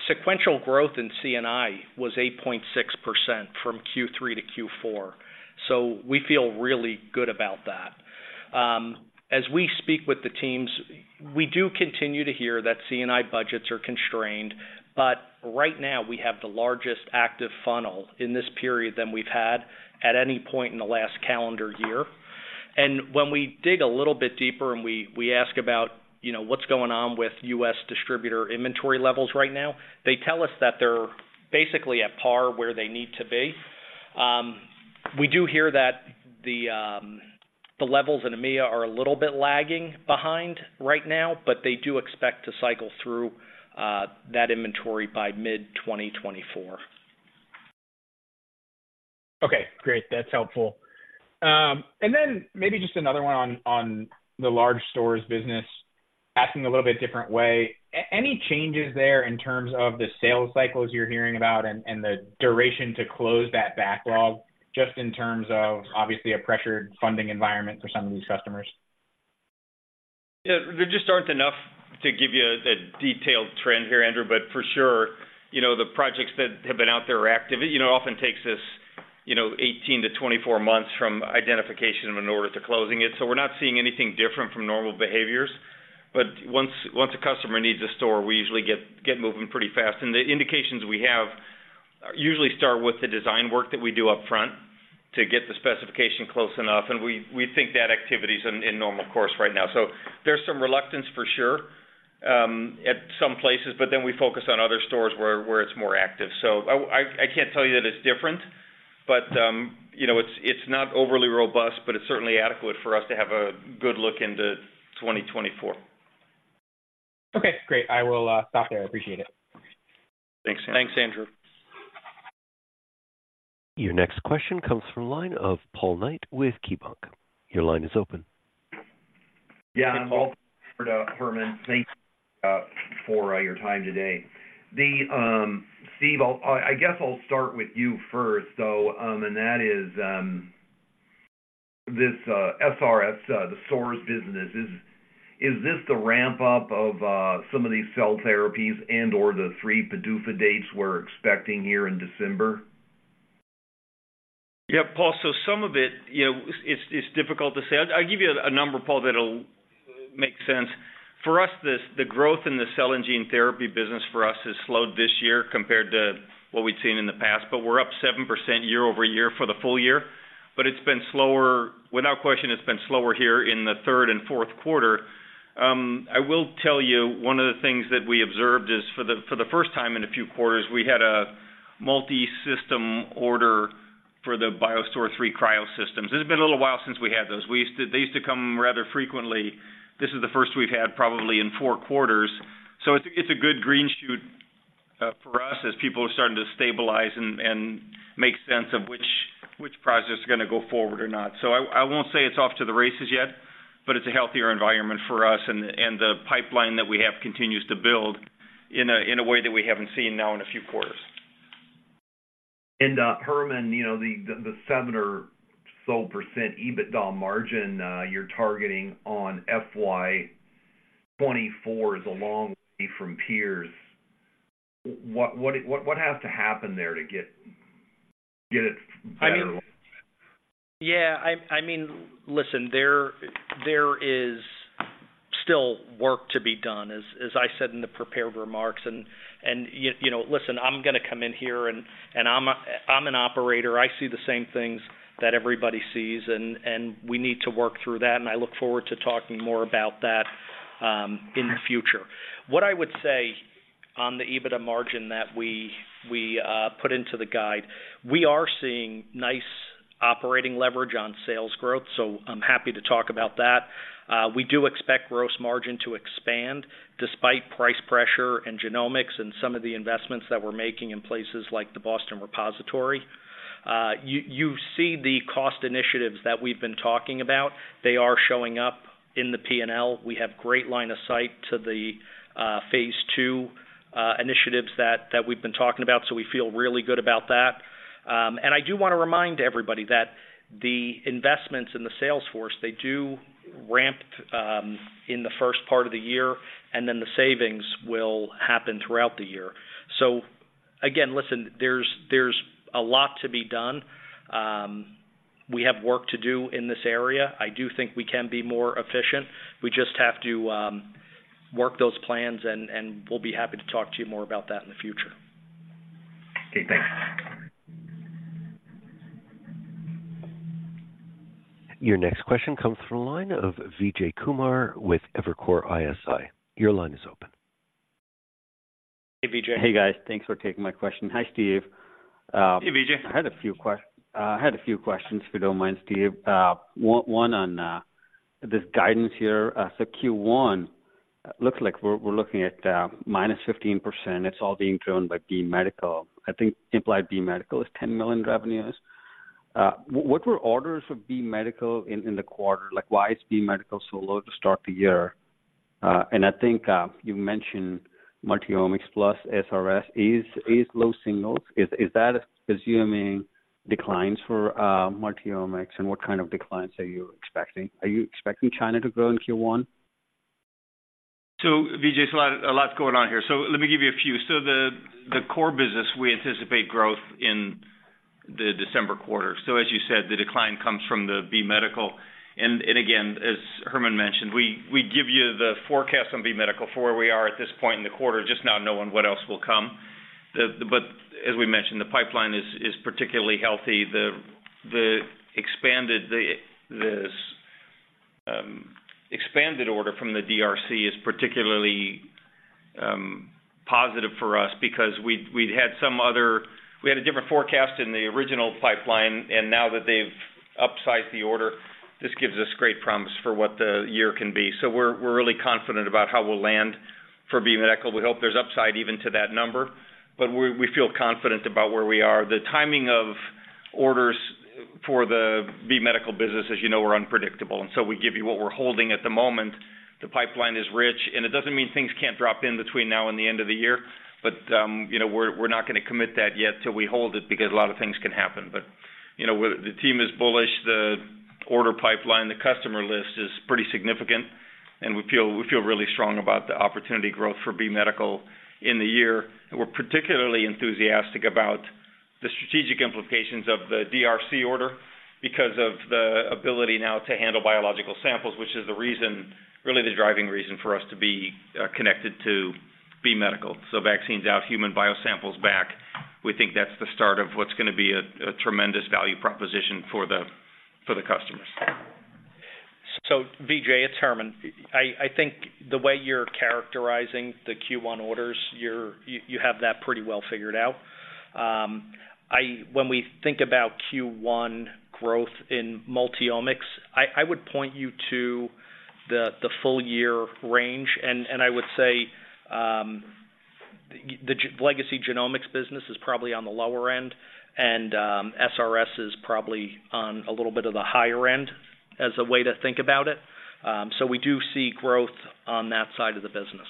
Sequential growth in C&I was 8.6% from Q3 to Q4, so we feel really good about that. As we speak with the teams, we do continue to hear that C&I budgets are constrained, but right now we have the largest active funnel in this period than we've had at any point in the last calendar year. When we dig a little bit deeper and we ask about, you know, what's going on with US distributor inventory levels right now, they tell us that they're basically at par where they need to be. We do hear that the levels in EMEA are a little bit lagging behind right now, but they do expect to cycle through that inventory by mid-2024. Okay, great. That's helpful. And then maybe just another 1 on, on the large stores business, asking a little bit different way. Any changes there in terms of the sales cycles you're hearing about and, and the duration to close that backlog, just in terms of obviously a pressured funding environment for some of these customers? Yeah, there just aren't enough to give you a detailed trend here, Andrew, but for sure, you know, the projects that have been out there are active. You know, it often takes us, you know, 18 to 24 months from identification of an order to closing it. So we're not seeing anything different from normal behaviors. But once a customer needs a store, we usually get moving pretty fast. And the indications we have usually start with the design work that we do upfront to get the specification close enough, and we think that activity is in normal course right now. So there's some reluctance for sure at some places, but then we focus on other stores where it's more active. So I can't tell you that it's different, but you know, it's not overly robust, but it's certainly adequate for us to have a good look into 2024. Okay, great. I will stop there. I appreciate it. Thanks. Thanks, Andrew. Your next question comes from line of Paul Knight with KeyBanc. Your line is open. Yeah Paul, Herman, thanks for your time today. The Steve, I guess I'll start with you first, though and that is, this SRS, the stores business. Is this the ramp-up of some of these cell therapies and/or the 3 PDUFA dates we're expecting here in December? Yeah, Paul, so some of it, you know, it's, it's difficult to say. I'll give you a number, Paul, that'll make sense. For us, this, the growth in the cell and gene therapy business for us has slowed this year compared to what we'd seen in the past, but we're up 7% year-over-year for the full year. But it's been slower... Without question, it's been slower here in the Q3 and Q4. I will tell you, one of the things that we observed is, for the, for the first time in a few quarters, we had a multisystem order for the BioStore III Cryo systems. It's been a little while since we had those. We used to. They used to come rather frequently. This is the first we've had probably in Q4. So it's a good green shoot for us as people are starting to stabilize and make sense of which projects are gonna go forward or not. So I won't say it's off to the races yet, but it's a healthier environment for us, and the pipeline that we have continues to build in a way that we haven't seen now in a few quarters. Herman, you know, the 7% or so EBITDA margin you're targeting on FY 2024 is a long way from peers. What has to happen there to get it better? I mean, yeah, I mean, listen, there is still work to be done, as I said in the prepared remarks, and, you know, listen, I'm gonna come in here and I'm an operator. I see the same things that everybody sees and we need to work through that, and I look forward to talking more about that in the future. What I would say on the EBITDA margin that we put into the guide, we are seeing nice operating leverage on sales growth, so I'm happy to talk about that. We do expect gross margin to expand despite price pressure and genomics and some of the investments that we're making in places like the Boston Repository. ... you see the cost initiatives that we've been talking about. They are showing up in the P&L. We have great line of sight to the phase two initiatives that we've been talking about, so we feel really good about that. And I do wanna remind everybody that the investments in the sales force, they do ramp in the first part of the year, and then the savings will happen throughout the year. So again, listen, there's a lot to be done. We have work to do in this area. I do think we can be more efficient. We just have to work those plans, and we'll be happy to talk to you more about that in the future. Okay, thanks. Your next question comes from the line of Vijay Kumar with Evercore ISI. Your line is open. Hey Vijay. Hey guys. Thanks for taking my question. Hi Steve. Hey Vijay. I had a few questions, if you don't mind, Steve. One on this guidance here. So Q1 looks like we're looking at -15%. It's all being driven by B Medical. I think implied B Medical is $10 million revenues. What were orders for B Medical in the quarter? Like, why is B Medical so low to start the year? And I think you mentioned Multiomics plus SRS is low signals. Is that assuming declines for Multiomics, and what kind of declines are you expecting? Are you expecting China to grow in Q1? So Vijay, there's a lot, a lot going on here. So let me give you a few. So the core business, we anticipate growth in the December quarter. So as you said, the decline comes from the B Medical. And again, as Herman mentioned, we give you the forecast on B Medical for where we are at this point in the quarter, just not knowing what else will come. But as we mentioned, the pipeline is particularly healthy. The expanded order from the DRC is particularly positive for us because we had a different forecast in the original pipeline, and now that they've upsized the order, this gives us great promise for what the year can be. So we're really confident about how we'll land for B Medical. We hope there's upside even to that number, but we, we feel confident about where we are. The timing of orders for the B Medical business, as you know, are unpredictable, and so we give you what we're holding at the moment. The pipeline is rich, and it doesn't mean things can't drop in between now and the end of the year, but, you know, we're, we're not gonna commit that yet till we hold it, because a lot of things can happen. But, you know, the team is bullish. The order pipeline, the customer list is pretty significant, and we feel, we feel really strong about the opportunity growth for B Medical in the year. We're particularly enthusiastic about the strategic implications of the DRC order because of the ability now to handle biological samples, which is the reason, really the driving reason, for us to be connected to B Medical. So vaccines out, human biosamples back. We think that's the start of what's gonna be a tremendous value proposition for the customers. So Vijay, it's Herman. I think the way you're characterizing the Q1 orders, you have that pretty well figured out. When we think about Q1 growth in Multiomics, I would point you to the full year range, and I would say, the legacy genomics business is probably on the lower end, and SRS is probably on a little bit of the higher end as a way to think about it. So we do see growth on that side of the business.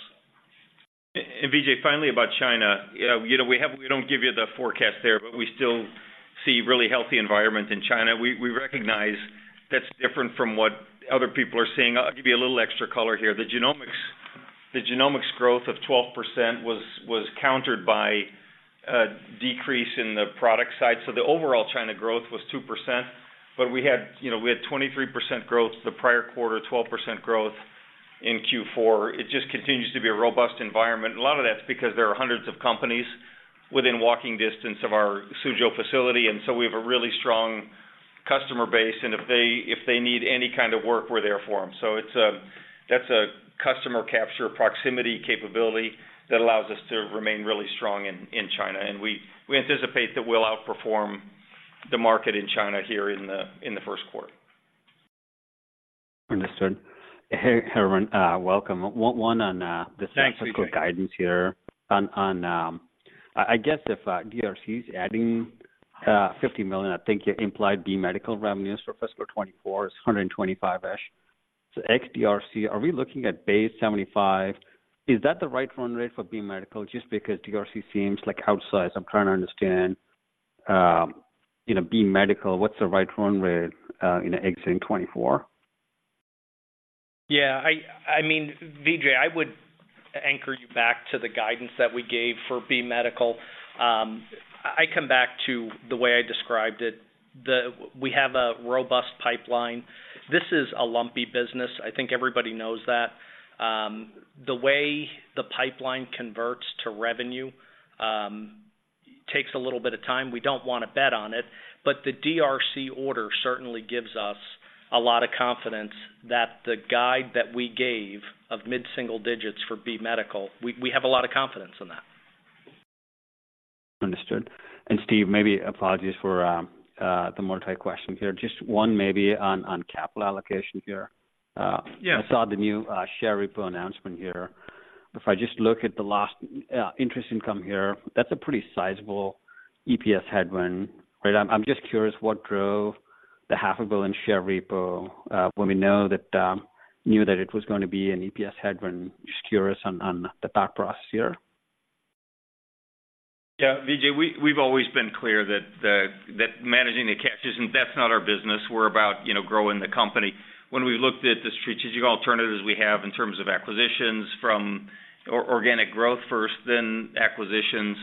Vijay, finally, about China. You know, we have—we don't give you the forecast there, but we still see really healthy environment in China. We, we recognize that's different from what other people are seeing. I'll give you a little extra color here. The genomics, the genomics growth of 12% was, was countered by a decrease in the product side. So the overall China growth was 2%, but we had, you know, we had 23% growth the prior quarter, 12% growth in Q4. It just continues to be a robust environment, and a lot of that's because there are hundreds of companies within walking distance of our Suzhou facility, and so we have a really strong customer base, and if they, if they need any kind of work, we're there for them. It's a. That's a customer capture, proximity capability that allows us to remain really strong in China, and we anticipate that we'll outperform the market in China here in the first quarter. Understood. Hey, Herman, welcome. Thanks Vijay.... guidance here. On, on, I guess if DRC is adding $50 million, I think you implied B Medical revenues for fiscal 2024 is $125 million-ish. So ex-DRC, are we looking at base $75 million? Is that the right run rate for B Medical, just because DRC seems like outsized? I'm trying to understand, you know, B Medical, what's the right run rate in exiting 2024? Yeah, I mean, Vijay, I would anchor you back to the guidance that we gave for B Medical. I come back to the way I described it, we have a robust pipeline. This is a lumpy business. I think everybody knows that. The way the pipeline converts to revenue takes a little bit of time. We don't want to bet on it, but the DRC order certainly gives us a lot of confidence that the guide that we gave of mid-single digits for B Medical, we have a lot of confidence in that. Understood. Steve maybe apologies for the multi question here. Just one maybe on capital allocation here. Yes. I saw the new share repo announcement here. If I just look at the last interest income here, that's a pretty sizable EPS headwind, right? I'm just curious, what drove the $500 million share repo, when we know that, knew that it was going to be an EPS headwind? Just curious on the thought process here. Yeah Vijay, we've always been clear that the, that managing the cash isn't, that's not our business. We're about, you know, growing the company. When we looked at the strategic alternatives we have in terms of acquisitions from organic growth first, then acquisitions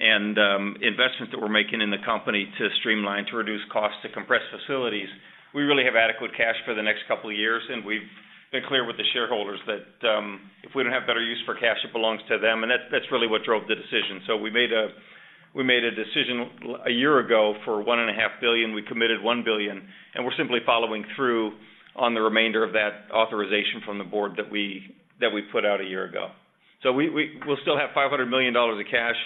and investments that we're making in the company to streamline, to reduce costs, to compress facilities, we really have adequate cash for the next couple of years, and we've been clear with the shareholders that, if we don't have better use for cash, it belongs to them. And that, that's really what drove the decision. So we made a, we made a decision a year ago for $1.5 billion. We committed $1 billion, and we're simply following through on the remainder of that authorization from the board that we, that we put out a year ago. So we'll still have $500 million of cash,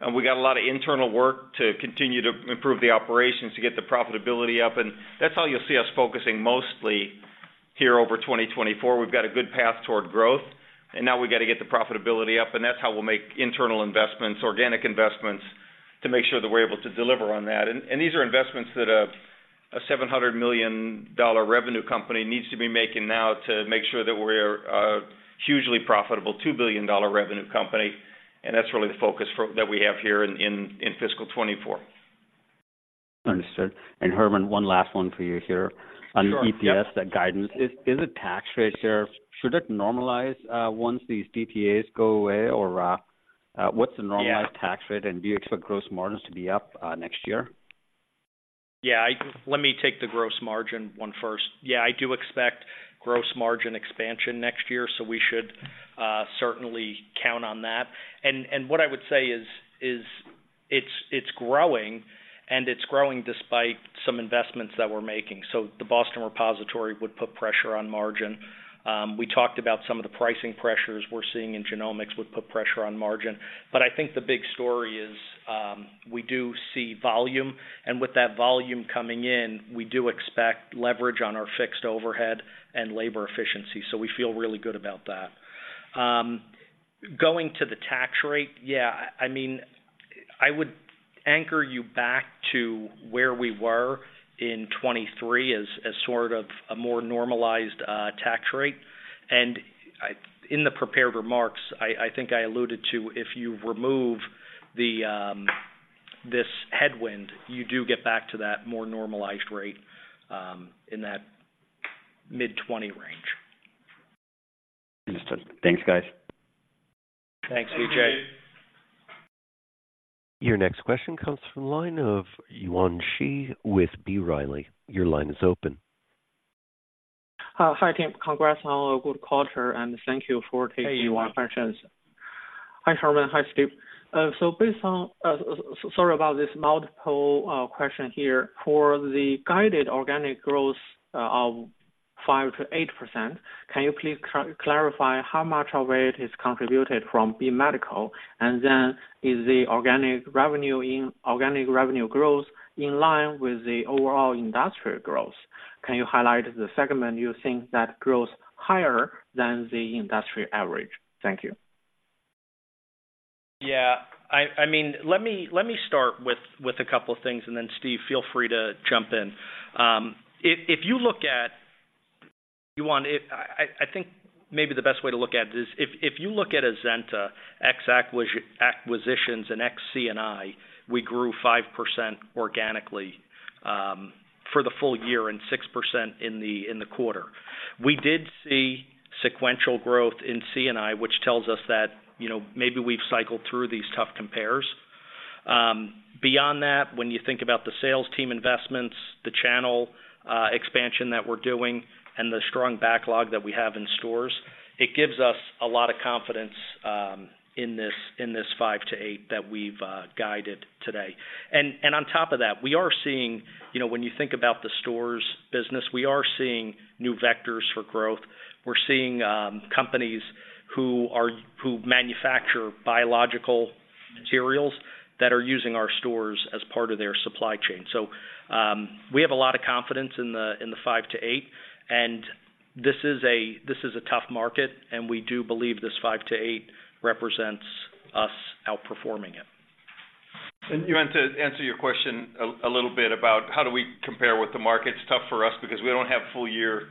and we got a lot of internal work to continue to improve the operations, to get the profitability up, and that's how you'll see us focusing mostly here over 2024. We've got a good path toward growth, and now we've got to get the profitability up, and that's how we'll make internal investments, organic investments, to make sure that we're able to deliver on that. And these are investments that a $700 million revenue company needs to be making now to make sure that we're a hugely profitable $2 billion revenue company. And that's really the focus for that we have here in fiscal 2024. Understood. Herman, one last one for you here. Sure, yep. On EPS, that guidance. Is the tax rate there, should it normalize, what's the- Yeah... normalized tax rate, and do you expect gross margins to be up, next year? Yeah, let me take the gross margin one first. Yeah, I do expect gross margin expansion next year, so we should certainly count on that. And what I would say is it's growing, and it's growing despite some investments that we're making. So the Boston repository would put pressure on margin. We talked about some of the pricing pressures we're seeing in genomics would put pressure on margin. But I think the big story is we do see volume, and with that volume coming in, we do expect leverage on our fixed overhead and labor efficiency. So we feel really good about that. Going to the tax rate, yeah, I mean, I would anchor you back to where we were in 2023 as sort of a more normalized tax rate. In the prepared remarks, I think I alluded to, if you remove this headwind, you do get back to that more normalized rate in that mid-20 range. Understood. Thanks guys. Thank Vijay. Your next question comes from the line of Yuan Zhi with B. Riley. Your line is open. Hi team. Congrats on a good quarter and thank you for taking my questions. Hey Yuan. Hi Herman. Hi Steve. So based on, sorry about this multiple question here. For the guided organic growth of 5% to 8%, can you please clarify how much of it is contributed from B Medical? And then, is the organic revenue growth in line with the overall industrial growth? Can you highlight the segment you think that grows higher than the industry average? Thank you. Yeah. I mean, let me start with a couple of things, and then Steve, feel free to jump in. If you look at... Yuan, if I think maybe the best way to look at it is, if you look at Azenta's acquisitions and C&I, we grew 5% organically, for the full year and 6% in the quarter. We did see sequential growth in C&I, which tells us that, you know, maybe we've cycled through these tough compares. Beyond that, when you think about the sales team investments, the channel expansion that we're doing, and the strong backlog that we have in stores, it gives us a lot of confidence, in this 5% to 8% that we've guided today. And on top of that, we are seeing, you know, when you think about the stores business, we are seeing new vectors for growth. We're seeing companies who manufacture biological materials that are using our stores as part of their supply chain. So, we have a lot of confidence in the 5 to 8, and this is a tough market, and we do believe this 5 to 8 represents us outperforming it. And Yuan, to answer your question a little bit about how do we compare with the market? It's tough for us because we don't have full year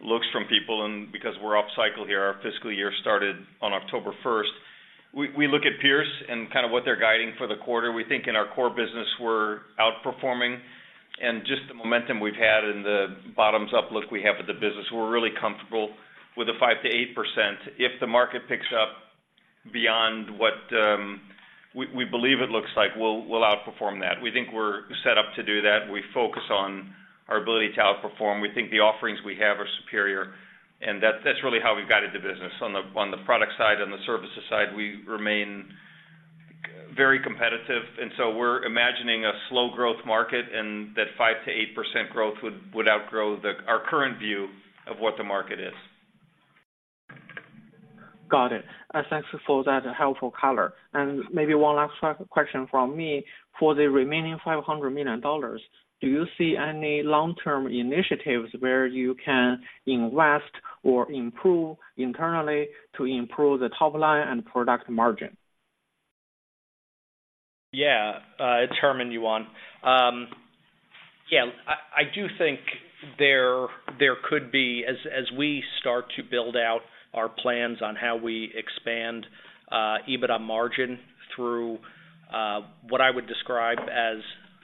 looks from people, and because we're off cycle here, our fiscal year started on October first. We look at peers and kind of what they're guiding for the quarter. We think in our core business, we're outperforming and just the momentum we've had and the bottoms-up look we have with the business, we're really comfortable with the 5 to 8%. If the market picks up beyond what we believe it looks like, we'll outperform that. We think we're set up to do that. We focus on our ability to outperform. We think the offerings we have are superior, and that's really how we've guided the business. On the product side, on the services side, we remain very competitive, and so we're imagining a slow growth market and that 5 to 8% growth would outgrow our current view of what the market is. Got it. Thanks for that helpful color. Maybe one last question from me. For the remaining $500 million, do you see any long-term initiatives where you can invest or improve internally to improve the top line and product margin?... Yeah, it's Herman, Yuan. Yeah, I do think there could be, as we start to build out our plans on how we expand EBITDA margin through what I would describe as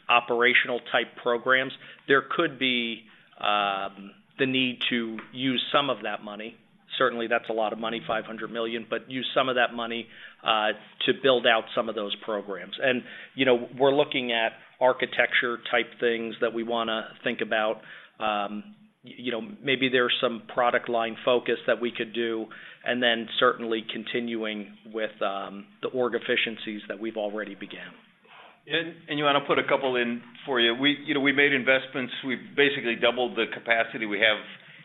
operational-type programs, there could be the need to use some of that money. Certainly, that's a lot of money, $500 million, but use some of that money to build out some of those programs. And, you know, we're looking at architecture-type things that we wanna think about. You know, maybe there's some product line focus that we could do, and then certainly continuing with the org efficiencies that we've already began. Yuan, I'll put a couple in for you. We, you know, we made investments. We've basically doubled the capacity we have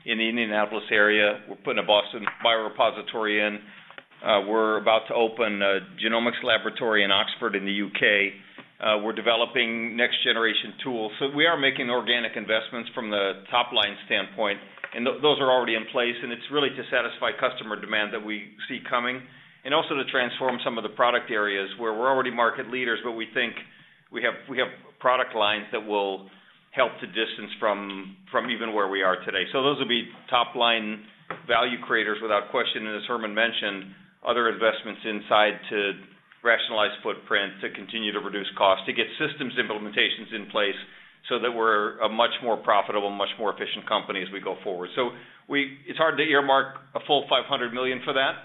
in the Indianapolis area. We're putting a Boston biorepository in. We're about to open a genomics laboratory in Oxford, in the UK We're developing next-generation tools. So we are making organic investments from the top-line standpoint, and those are already in place, and it's really to satisfy customer demand that we see coming, and also to transform some of the product areas where we're already market leaders, but we think we have, we have product lines that will help to distance from, from even where we are today. So those will be top-line value creators without question. And as Herman mentioned, other investments inside to rationalize footprint, to continue to reduce costs, to get systems implementations in place so that we're a much more profitable, much more efficient company as we go forward. So, it's hard to earmark a full $500 million for that,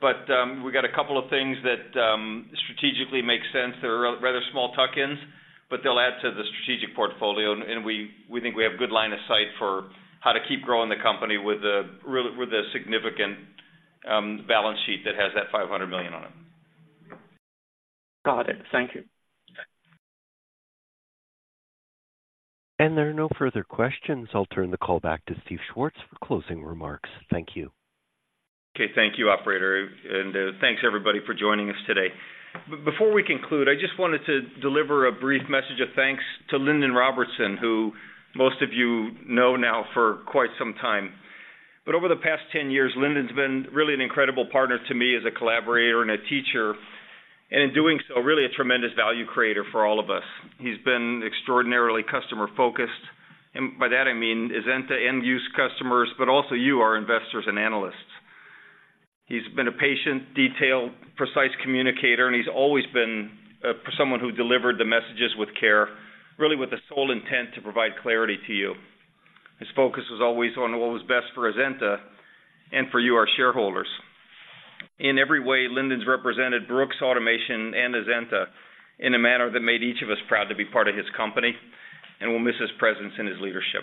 but we've got a couple of things that strategically make sense. They're rather small tuck-ins, but they'll add to the strategic portfolio, and we think we have good line of sight for how to keep growing the company with a real, with a significant balance sheet that has that $500 million on it. Got it. Thank you. There are no further questions. I'll turn the call back to Steve Schwartz for closing remarks. Thank you. Okay. Thank you operator and thanks everybody for joining us today. Before we conclude, I just wanted to deliver a brief message of thanks to Lindon Robertson, who most of you know now for quite some time. But over the past 10 years, Lindon's been really an incredible partner to me as a collaborator and a teacher, and in doing so, really a tremendous value creator for all of us. He's been extraordinarily customer-focused and by that I mean, Azenta end-use customers, but also you, our investors and analysts. He's been a patient, detailed, precise communicator, and he's always been someone who delivered the messages with care, really with the sole intent to provide clarity to you. His focus was always on what was best for Azenta and for you, our shareholders. In every way, Lindon's represented Brooks Automation and Azenta in a manner that made each of us proud to be part of his company, and we'll miss his presence and his leadership.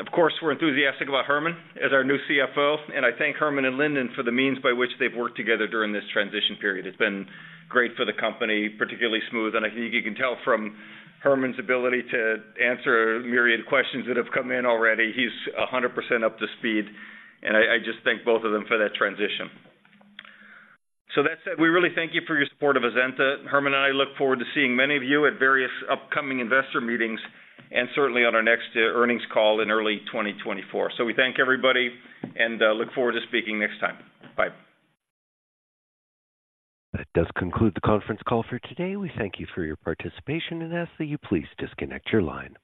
Of course, we're enthusiastic about Herman as our new CFO, and I thank Herman and Lindon for the means by which they've worked together during this transition period. It's been great for the company, particularly smooth, and I think you can tell from Herman's ability to answer a myriad of questions that have come in already, he's 100% up to speed and I just thank both of them for that transition. So that said, we really thank you for your support of Azenta. Herman and I look forward to seeing many of you at various upcoming investor meetings and certainly on our next earnings call in early 2024. We thank everybody and look forward to speaking next time. Bye. That does conclude the conference call for today. We thank you for your participation and ask that you please disconnect your line.